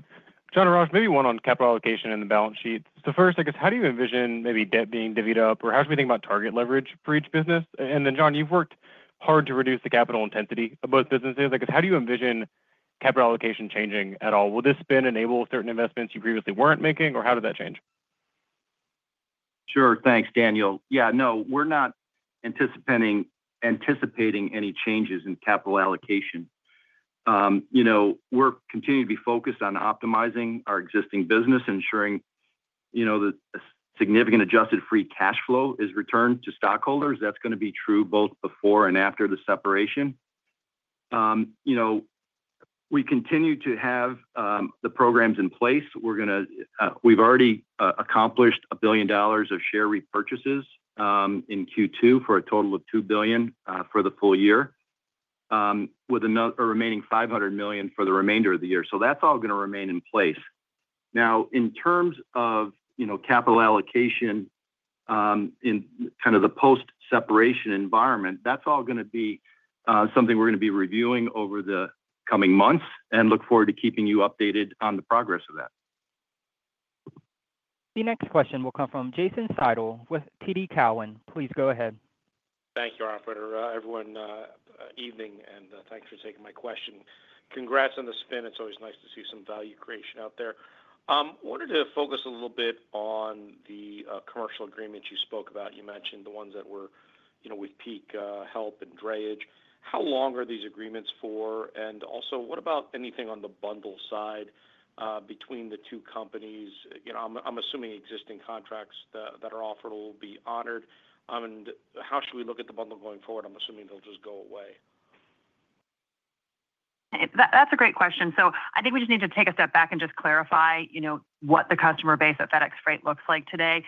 John and Raj, maybe one on capital allocation and the balance sheet. So first, I guess, how do you envision maybe debt being divvied up, or how should we think about target leverage for each business? And then, John, you've worked hard to reduce the capital intensity of both businesses. I guess, how do you envision capital allocation changing at all? Will this spin enable certain investments you previously weren't making, or how did that change? Sure. Thanks, Daniel. Yeah, no, we're not anticipating any changes in capital allocation. We're continuing to be focused on optimizing our existing business, ensuring that significant adjusted free cash flow is returned to stockholders. That's going to be true both before and after the separation. We continue to have the programs in place. We've already accomplished $1 billion of share repurchases in Q2 for a total of $2 billion for the full year, with a remaining $500 million for the remainder of the year. So that's all going to remain in place. Now, in terms of capital allocation in kind of the post-separation environment, that's all going to be something we're going to be reviewing over the coming months and look forward to keeping you updated on the progress of that. The next question will come from Jason Seidl with TD Cowen. Please go ahead. Thank you, Operator. Everyone, evening, and thanks for taking my question. Congrats on the spin. It's always nice to see some value creation out there. I wanted to focus a little bit on the commercial agreements you spoke about. You mentioned the ones that were with peak help and drayage. How long are these agreements for? And also, what about anything on the bundle side between the two companies? I'm assuming existing contracts that are offered will be honored. And how should we look at the bundle going forward? I'm assuming they'll just go away. That's a great question. So I think we just need to take a step back and just clarify what the customer base at FedEx Freight looks like today.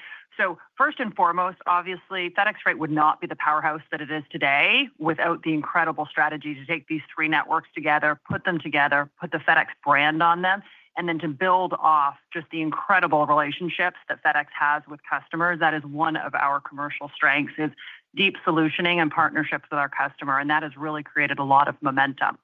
First and foremost, obviously, FedEx Freight would not be the powerhouse that it is today without the incredible strategy to take these three networks together, put them together, put the FedEx brand on them, and then to build off just the incredible relationships that FedEx has with customers. That is one of our commercial strengths: deep solutioning and partnerships with our customer. And that has really created a lot of momentum.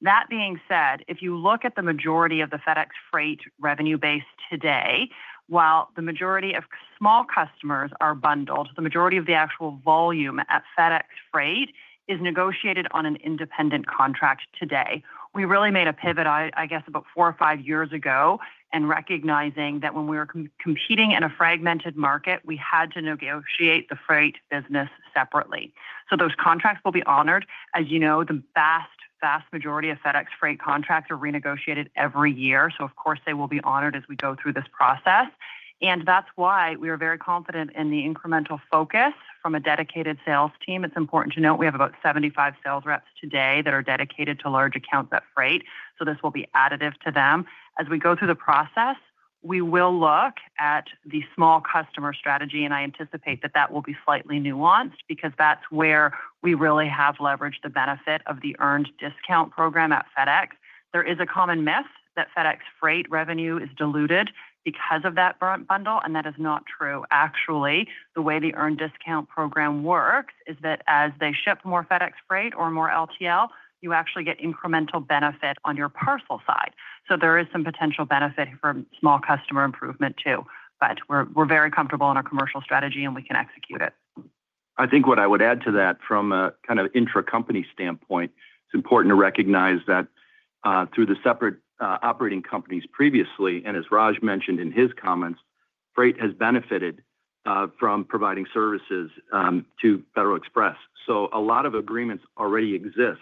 That being said, if you look at the majority of the FedEx Freight revenue base today, while the majority of small customers are bundled, the majority of the actual volume at FedEx Freight is negotiated on an independent contract today. We really made a pivot, I guess, about four or five years ago and recognizing that when we were competing in a fragmented market, we had to negotiate the freight business separately. So those contracts will be honored. As you know, the vast, vast majority of FedEx Freight contracts are renegotiated every year. So, of course, they will be honored as we go through this process. And that's why we are very confident in the incremental focus from a dedicated sales team. It's important to note we have about 75 sales reps today that are dedicated to large accounts at Freight. So this will be additive to them. As we go through the process, we will look at the small customer strategy, and I anticipate that that will be slightly nuanced because that's where we really have leveraged the benefit of the earned discount program at FedEx. There is a common myth that FedEx Freight revenue is diluted because of that bundle, and that is not true. Actually, the way the earned discount program works is that as they ship more FedEx Freight or more LTL, you actually get incremental benefit on your parcel side. So there is some potential benefit from small customer improvement too. But we're very comfortable in our commercial strategy, and we can execute it. I think what I would add to that from a kind of intra-company standpoint, it's important to recognize that through the separate operating companies previously, and as Raj mentioned in his comments, Freight has benefited from providing services to Federal Express. So a lot of agreements already exist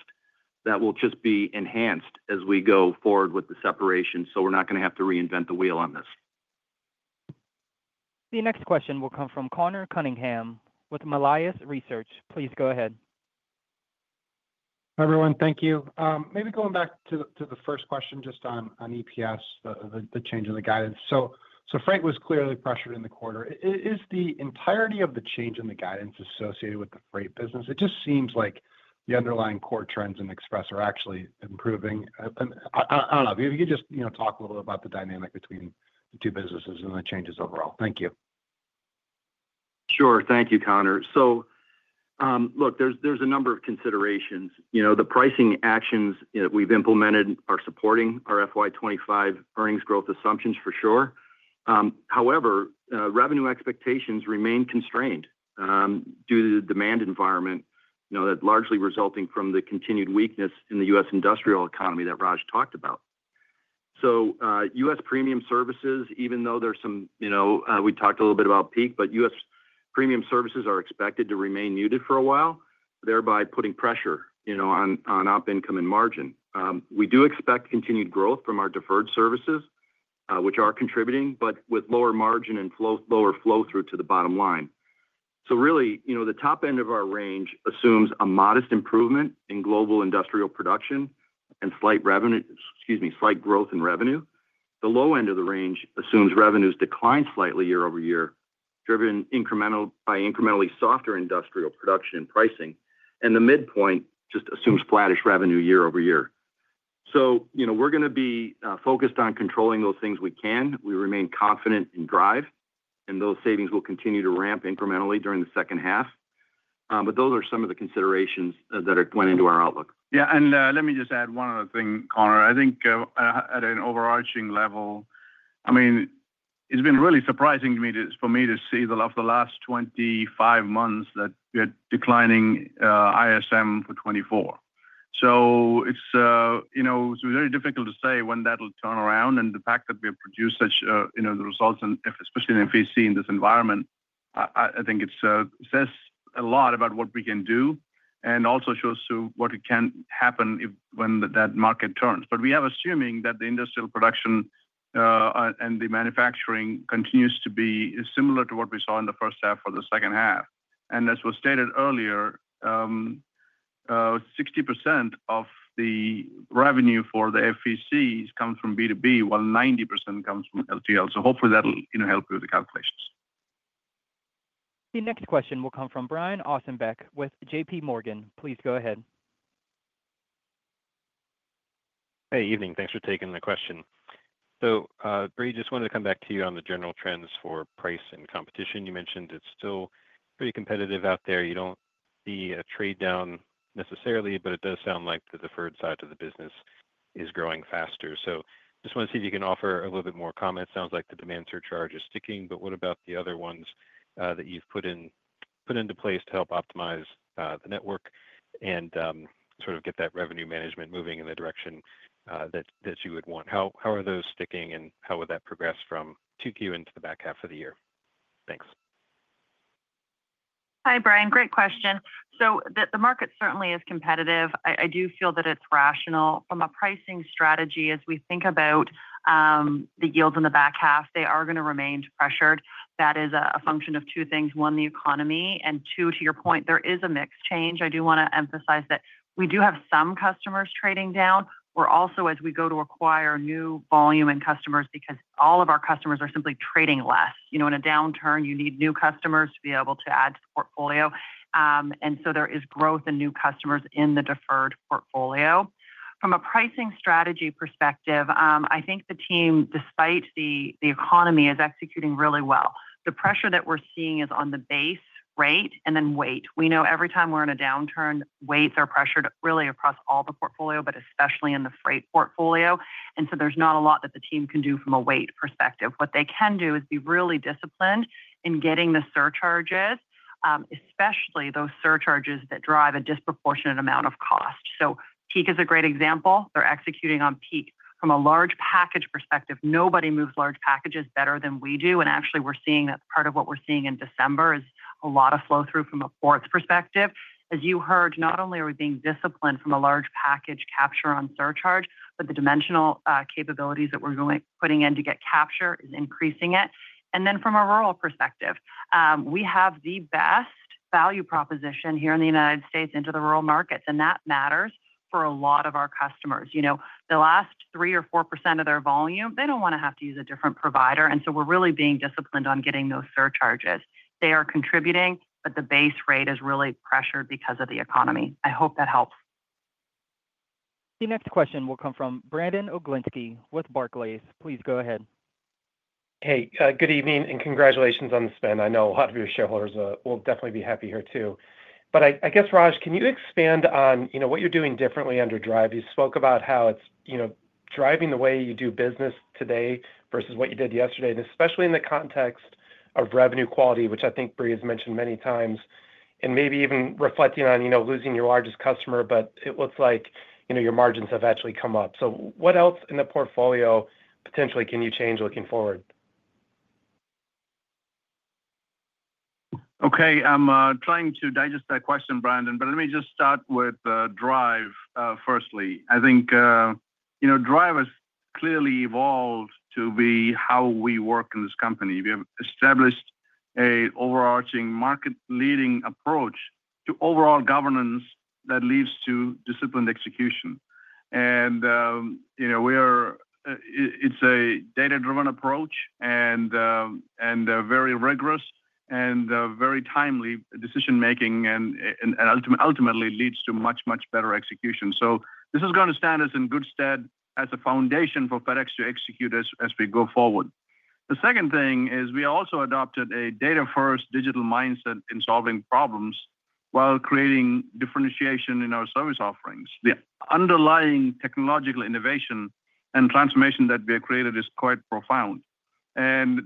that will just be enhanced as we go forward with the separation. So we're not going to have to reinvent the wheel on this. The next question will come from Conor Cunningham with Melius Research. Please go ahead. Hi, everyone. Thank you. Maybe going back to the first question just on EPS, the change in the guidance. So Freight was clearly pressured in the quarter. Is the entirety of the change in the guidance associated with the Freight business? It just seems like the underlying core trends in Express are actually improving. I don't know. If you could just talk a little about the dynamic between the two businesses and the changes overall? Thank you. Sure. Thank you, Conor. So look, there's a number of considerations. The pricing actions that we've implemented are supporting our FY25 earnings growth assumptions, for sure. However, revenue expectations remain constrained due to the demand environment that's largely resulting from the continued weakness in the U.S. industrial economy that Raj talked about. U.S. premium services, even though there's some we talked a little bit about peak, but U.S. premium services are expected to remain muted for a while, thereby putting pressure on operating income and margin. We do expect continued growth from our deferred services, which are contributing, but with lower margin and lower flow through to the bottom line. Really, the top end of our range assumes a modest improvement in global industrial production and slight growth in revenue. The low end of the range assumes revenues decline slightly year-over-year, driven by incrementally softer industrial production and pricing. The midpoint just assumes flattish revenue year over year. We're going to be focused on controlling those things we can. We remain confident in Drive, and those savings will continue to ramp incrementally during the second half. But those are some of the considerations that are going into our outlook. Yeah. And let me just add one other thing, Conor. I think at an overarching level, I mean, it's been really surprising for me to see the last 25 months that we had declining ISM for 2024. So it's very difficult to say when that will turn around. And the fact that we have produced such results, especially in VC in this environment, I think it says a lot about what we can do and also shows what can happen when that market turns. But we have, assuming that the industrial production and the manufacturing continues to be similar to what we saw in the first half or the second half. And as was stated earlier, 60% of the revenue for the FEC comes from B2B, while 90% comes from LTL. So hopefully that'll help you with the calculations. The next question will come from Brian Ossenbeck with J.P. Morgan. Please go ahead. Hey, evening. Thanks for taking the question. So Brie, just wanted to come back to you on the general trends for price and competition. You mentioned it's still pretty competitive out there. You don't see a trade down necessarily, but it does sound like the deferred side of the business is growing faster. So just want to see if you can offer a little bit more comment. Sounds like the demand surcharge is sticking, but what about the other ones that you've put into place to help optimize the network and sort of get that revenue management moving in the direction that you would want? How are those sticking, and how would that progress from Q2 into the back half of the year? Thanks. Hi, Brian. Great question. So the market certainly is competitive. I do feel that it's rational. From a pricing strategy, as we think about the yields in the back half, they are going to remain pressured. That is a function of two things. One, the economy. And two, to your point, there is a mixed change. I do want to emphasize that we do have some customers trading down. We're also, as we go to acquire new volume and customers, because all of our customers are simply trading less. In a downturn, you need new customers to be able to add to the portfolio. And so there is growth in new customers in the deferred portfolio. From a pricing strategy perspective, I think the team, despite the economy, is executing really well. The pressure that we're seeing is on the base rate and then weight. We know every time we're in a downturn, weights are pressured really across all the portfolio, but especially in the freight portfolio. And so there's not a lot that the team can do from a weight perspective. What they can do is be really disciplined in getting the surcharges, especially those surcharges that drive a disproportionate amount of cost. So peak is a great example. They're executing on peak. From a large package perspective, nobody moves large packages better than we do. And actually, we're seeing that part of what we're seeing in December is a lot of flow through from a ports perspective. As you heard, not only are we being disciplined from a large package capture on surcharge, but the dimensional capabilities that we're putting in to get capture is increasing it. Then from a rural perspective, we have the best value proposition here in the United States into the rural markets. And that matters for a lot of our customers. The last 3 or 4% of their volume, they don't want to have to use a different provider. And so we're really being disciplined on getting those surcharges. They are contributing, but the base rate is really pressured because of the economy. I hope that helps. The next question will come from Brandon Oglenski with Barclays. Please go ahead. Hey, good evening and congratulations on the spin. I know a lot of your shareholders will definitely be happy here too. But I guess, Raj, can you expand on what you're doing differently under Drive? You spoke about how it's driving the way you do business today versus what you did yesterday, and especially in the context of revenue quality, which I think Brie has mentioned many times, and maybe even reflecting on losing your largest customer, but it looks like your margins have actually come up. So what else in the portfolio potentially can you change looking forward? Okay. I'm trying to digest that question, Brandon, but let me just start with Drive first. I think Drive has clearly evolved to be how we work in this company. We have established an overarching market-leading approach to overall governance that leads to disciplined execution, and it's a data-driven approach and very rigorous and very timely decision-making, and ultimately leads to much, much better execution. So this is going to stand us in good stead as a foundation for FedEx to execute as we go forward. The second thing is we also adopted a data-first digital mindset in solving problems while creating differentiation in our service offerings. The underlying technological innovation and transformation that we have created is quite profound. And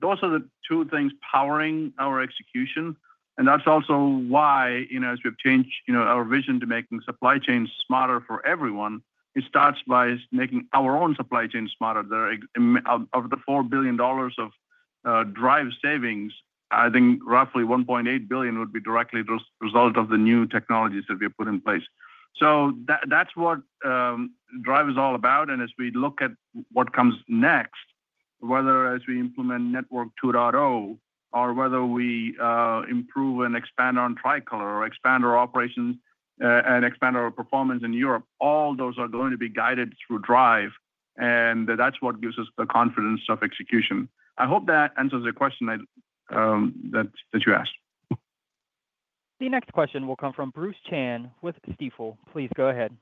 those are the two things powering our execution. And that's also why, as we have changed our vision to making supply chains smarter for everyone, it starts by making our own supply chains smarter. Of the $4 billion of Drive savings, I think roughly $1.8 billion would be directly the result of the new technologies that we have put in place. So that's what Drive is all about. And as we look at what comes next, whether as we implement Network 2.0 or whether we improve and expand on Tricolor or expand our operations and expand our performance in Europe, all those are going to be guided through Drive. That's what gives us the confidence of execution. I hope that answers the question that you asked. The next question will come from Bruce Chan with Stifel. Please go ahead.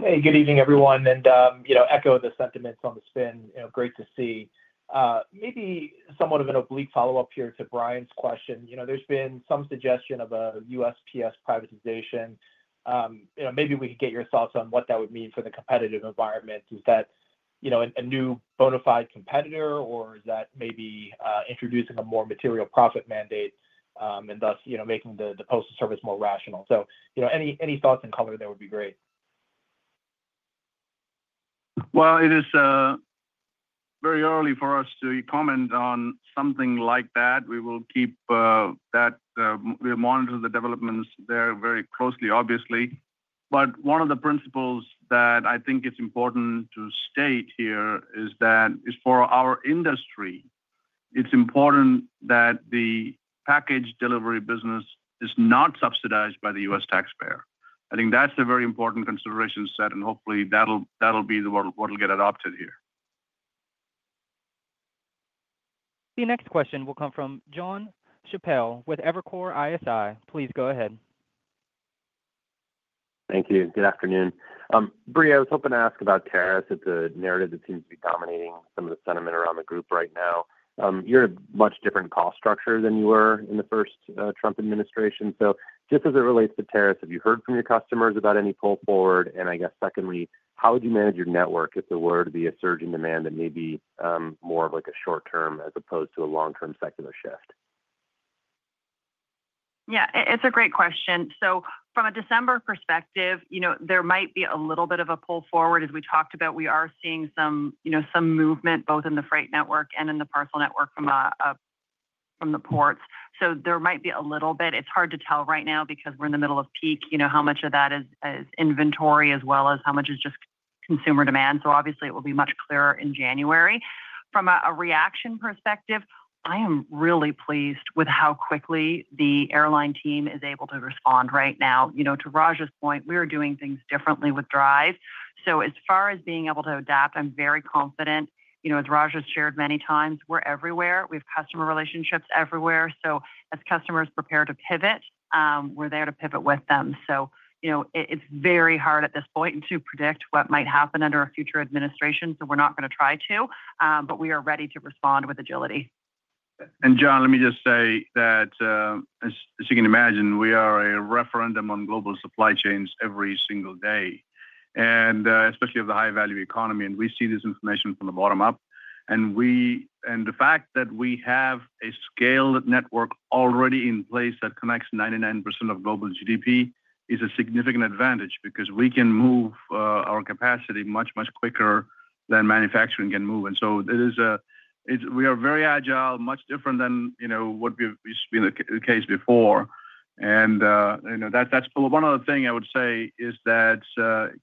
Hey, good evening, everyone. I echo the sentiments on the spin. Great to see. Maybe somewhat of an oblique follow-up here to Brian's question. There's been some suggestion of a USPS privatization. Maybe we could get your thoughts on what that would mean for the competitive environment. Is that a new bona fide competitor, or is that maybe introducing a more material profit mandate and thus making the postal service more rational? So any thoughts in color, that would be great. It is very early for us to comment on something like that. We will keep that. We'll monitor the developments there very closely, obviously. But one of the principles that I think it's important to state here is that for our industry, it's important that the package delivery business is not subsidized by the U.S. taxpayer. I think that's a very important consideration set, and hopefully that'll be what'll get adopted here. The next question will come from Jon Chappell with Evercore ISI. Please go ahead. Thank you. Good afternoon. Brie, I was hoping to ask about tariffs. It's a narrative that seems to be dominating some of the sentiment around the group right now. You're in a much different cost structure than you were in the first Trump administration. So just as it relates to tariffs, have you heard from your customers about any pull forward? And I guess, secondly, how would you manage your network if there were to be a surge in demand that may be more of a short-term as opposed to a long-term secular shift? Yeah, it's a great question. So from a December perspective, there might be a little bit of a pull forward. As we talked about, we are seeing some movement both in the freight network and in the parcel network from the ports. So there might be a little bit. It's hard to tell right now because we're in the middle of peak. How much of that is inventory as well as how much is just consumer demand? So obviously, it will be much clearer in January. From a reaction perspective, I am really pleased with how quickly the airline team is able to respond right now. To Raj's point, we are doing things differently with Drive. So as far as being able to adapt, I'm very confident. As Raj has shared many times, we're everywhere. We have customer relationships everywhere, so as customers prepare to pivot, we're there to pivot with them, so it's very hard at this point to predict what might happen under a future administration, so we're not going to try to, but we are ready to respond with agility. And John, let me just say that, as you can imagine, we are a referendum on global supply chains every single day, and especially of the high-value economy, and we see this information from the bottom up, and the fact that we have a scaled network already in place that connects 99% of global GDP is a significant advantage because we can move our capacity much, much quicker than manufacturing can move. And so we are very agile, much different than what's been the case before. And that's one other thing I would say is that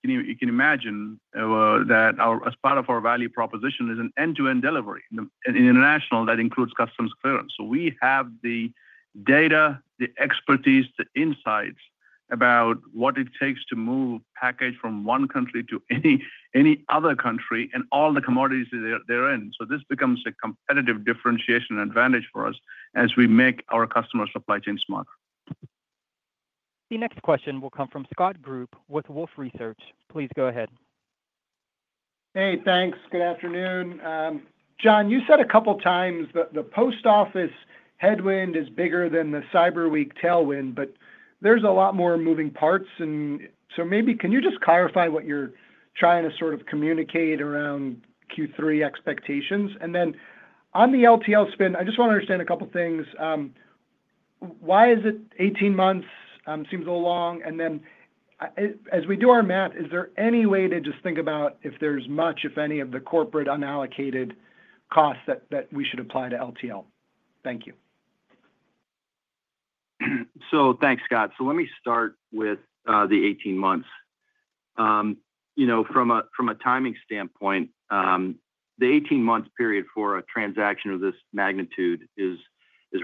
you can imagine that as part of our value proposition is an end-to-end delivery in international that includes customs clearance. So we have the data, the expertise, the insights about what it takes to move package from one country to any other country and all the commodities therein. So this becomes a competitive differentiation advantage for us as we make our customer supply chain smarter. The next question will come from Scott Group with Wolfe Research. Please go ahead. Hey, thanks. Good afternoon. John, you said a couple of times that the post office headwind is bigger than the Cyber Week tailwind, but there's a lot more moving parts. And so maybe can you just clarify what you're trying to sort of communicate around Q3 expectations? Then on the LTL spin, I just want to understand a couple of things. Why is it 18 months? Seems a little long. Then as we do our math, is there any way to just think about if there's much, if any, of the corporate unallocated costs that we should apply to LTL? Thank you. Thanks, Scott. Let me start with the 18 months. From a timing standpoint, the 18-month period for a transaction of this magnitude is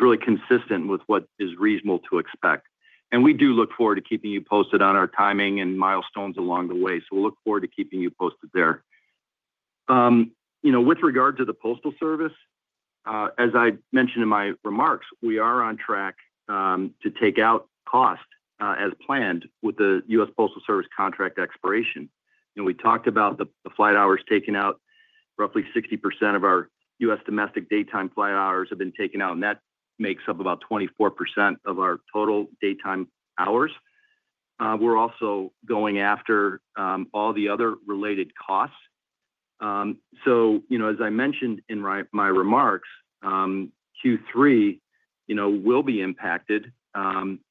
really consistent with what is reasonable to expect. We do look forward to keeping you posted on our timing and milestones along the way. We'll look forward to keeping you posted there. With regard to the Postal Service, as I mentioned in my remarks, we are on track to take out cost as planned with the U.S. Postal Service contract expiration. We talked about the flight hours taken out. Roughly 60% of our U.S. domestic daytime flight hours have been taken out, and that makes up about 24% of our total daytime hours. We're also going after all the other related costs. So as I mentioned in my remarks, Q3 will be impacted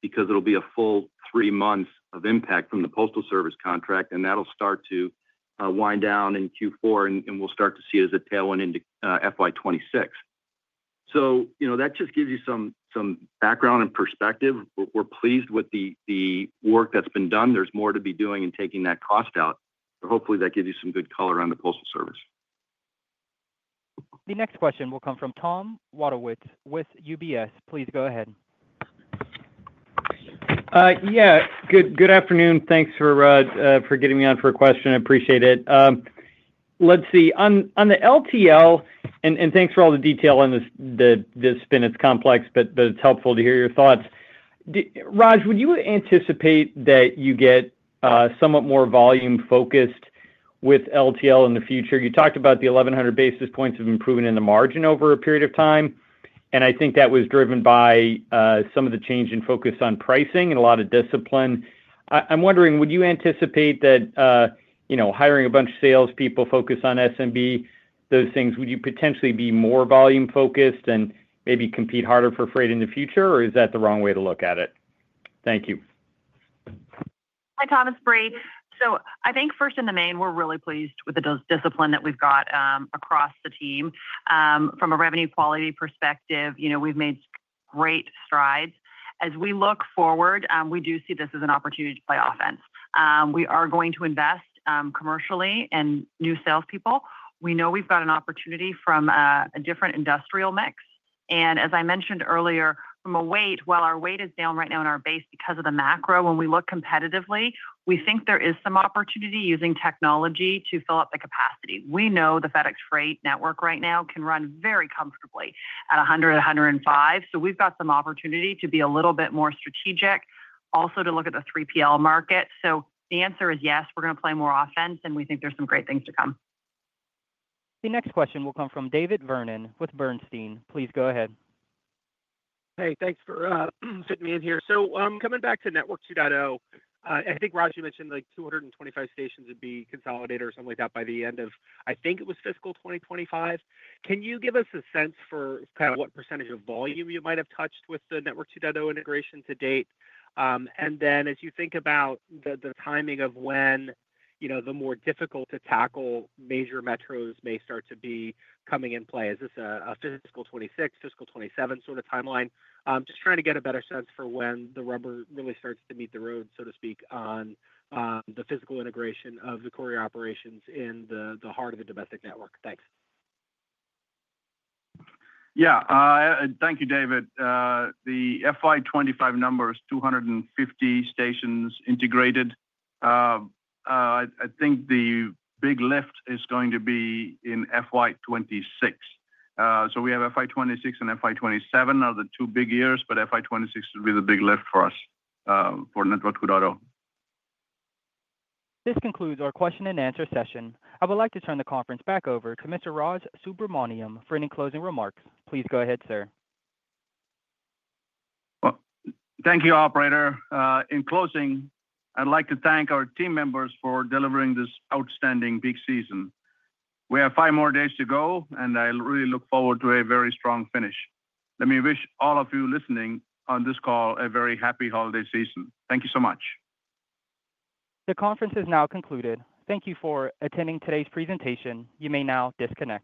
because it'll be a full three months of impact from the Postal Service contract, and that'll start to wind down in Q4, and we'll start to see it as a tailwind into FY26. So that just gives you some background and perspective. We're pleased with the work that's been done. There's more to be doing in taking that cost out. Hopefully, that gives you some good color on the Postal Service. The next question will come from Tom Wadewitz with UBS. Please go ahead. Yeah. Good afternoon. Thanks for getting me on for a question. I appreciate it. Let's see. On the LTL, and thanks for all the detail on this spin. It's complex, but it's helpful to hear your thoughts. Raj, would you anticipate that you get somewhat more volume-focused with LTL in the future? You talked about the 1,100 basis points of improvement in the margin over a period of time. And I think that was driven by some of the change in focus on pricing and a lot of discipline. I'm wondering, would you anticipate that hiring a bunch of salespeople, focus on SMB, those things, would you potentially be more volume-focused and maybe compete harder for freight in the future, or is that the wrong way to look at it? Thank you. Hi, Tom. Brie. So I think first and the main, we're really pleased with the discipline that we've got across the team. From a revenue quality perspective, we've made great strides. As we look forward, we do see this as an opportunity to play offense. We are going to invest commercially in new salespeople. We know we've got an opportunity from a different industrial mix. And as I mentioned earlier, from a weight, while our weight is down right now in our base because of the macro, when we look competitively, we think there is some opportunity using technology to fill up the capacity. We know the FedEx Freight network right now can run very comfortably at 100, 105. So we've got some opportunity to be a little bit more strategic, also to look at the 3PL market. So the answer is yes, we're going to play more offense, and we think there's some great things to come. The next question will come from David Vernon with Bernstein. Please go ahead. Hey, thanks for fitting me in here. So coming back to Network 2.0, I think Raj, you mentioned 225 stations would be consolidated or something like that by the end of, I think it was fiscal 2025. Can you give us a sense for kind of what percentage of volume you might have touched with the Network 2.0 integration to date? And then as you think about the timing of when the more difficult to tackle major metros may start to be coming in play, is this a fiscal 26, fiscal 27 sort of timeline? Just trying to get a better sense for when the rubber really starts to meet the road, so to speak, on the physical integration of the courier operations in the heart of the domestic network. Thanks. Yeah. Thank you, David. The FY25 number is 250 stations integrated. I think the big lift is going to be in FY26. So we have FY26 and FY27 are the two big years, but FY26 will be the big lift for us for Network 2.0. This concludes our question-and-answer session. I would like to turn the conference back over to Mr. Raj Subramaniam for any closing remarks. Please go ahead, sir. Thank you, Operator. In closing, I'd like to thank our team members for delivering this outstanding peak season. We have five more days to go, and I really look forward to a very strong finish. Let me wish all of you listening on this call a very happy holiday season. Thank you so much. The conference is now concluded. Thank you for attending today's presentation. You may now disconnect.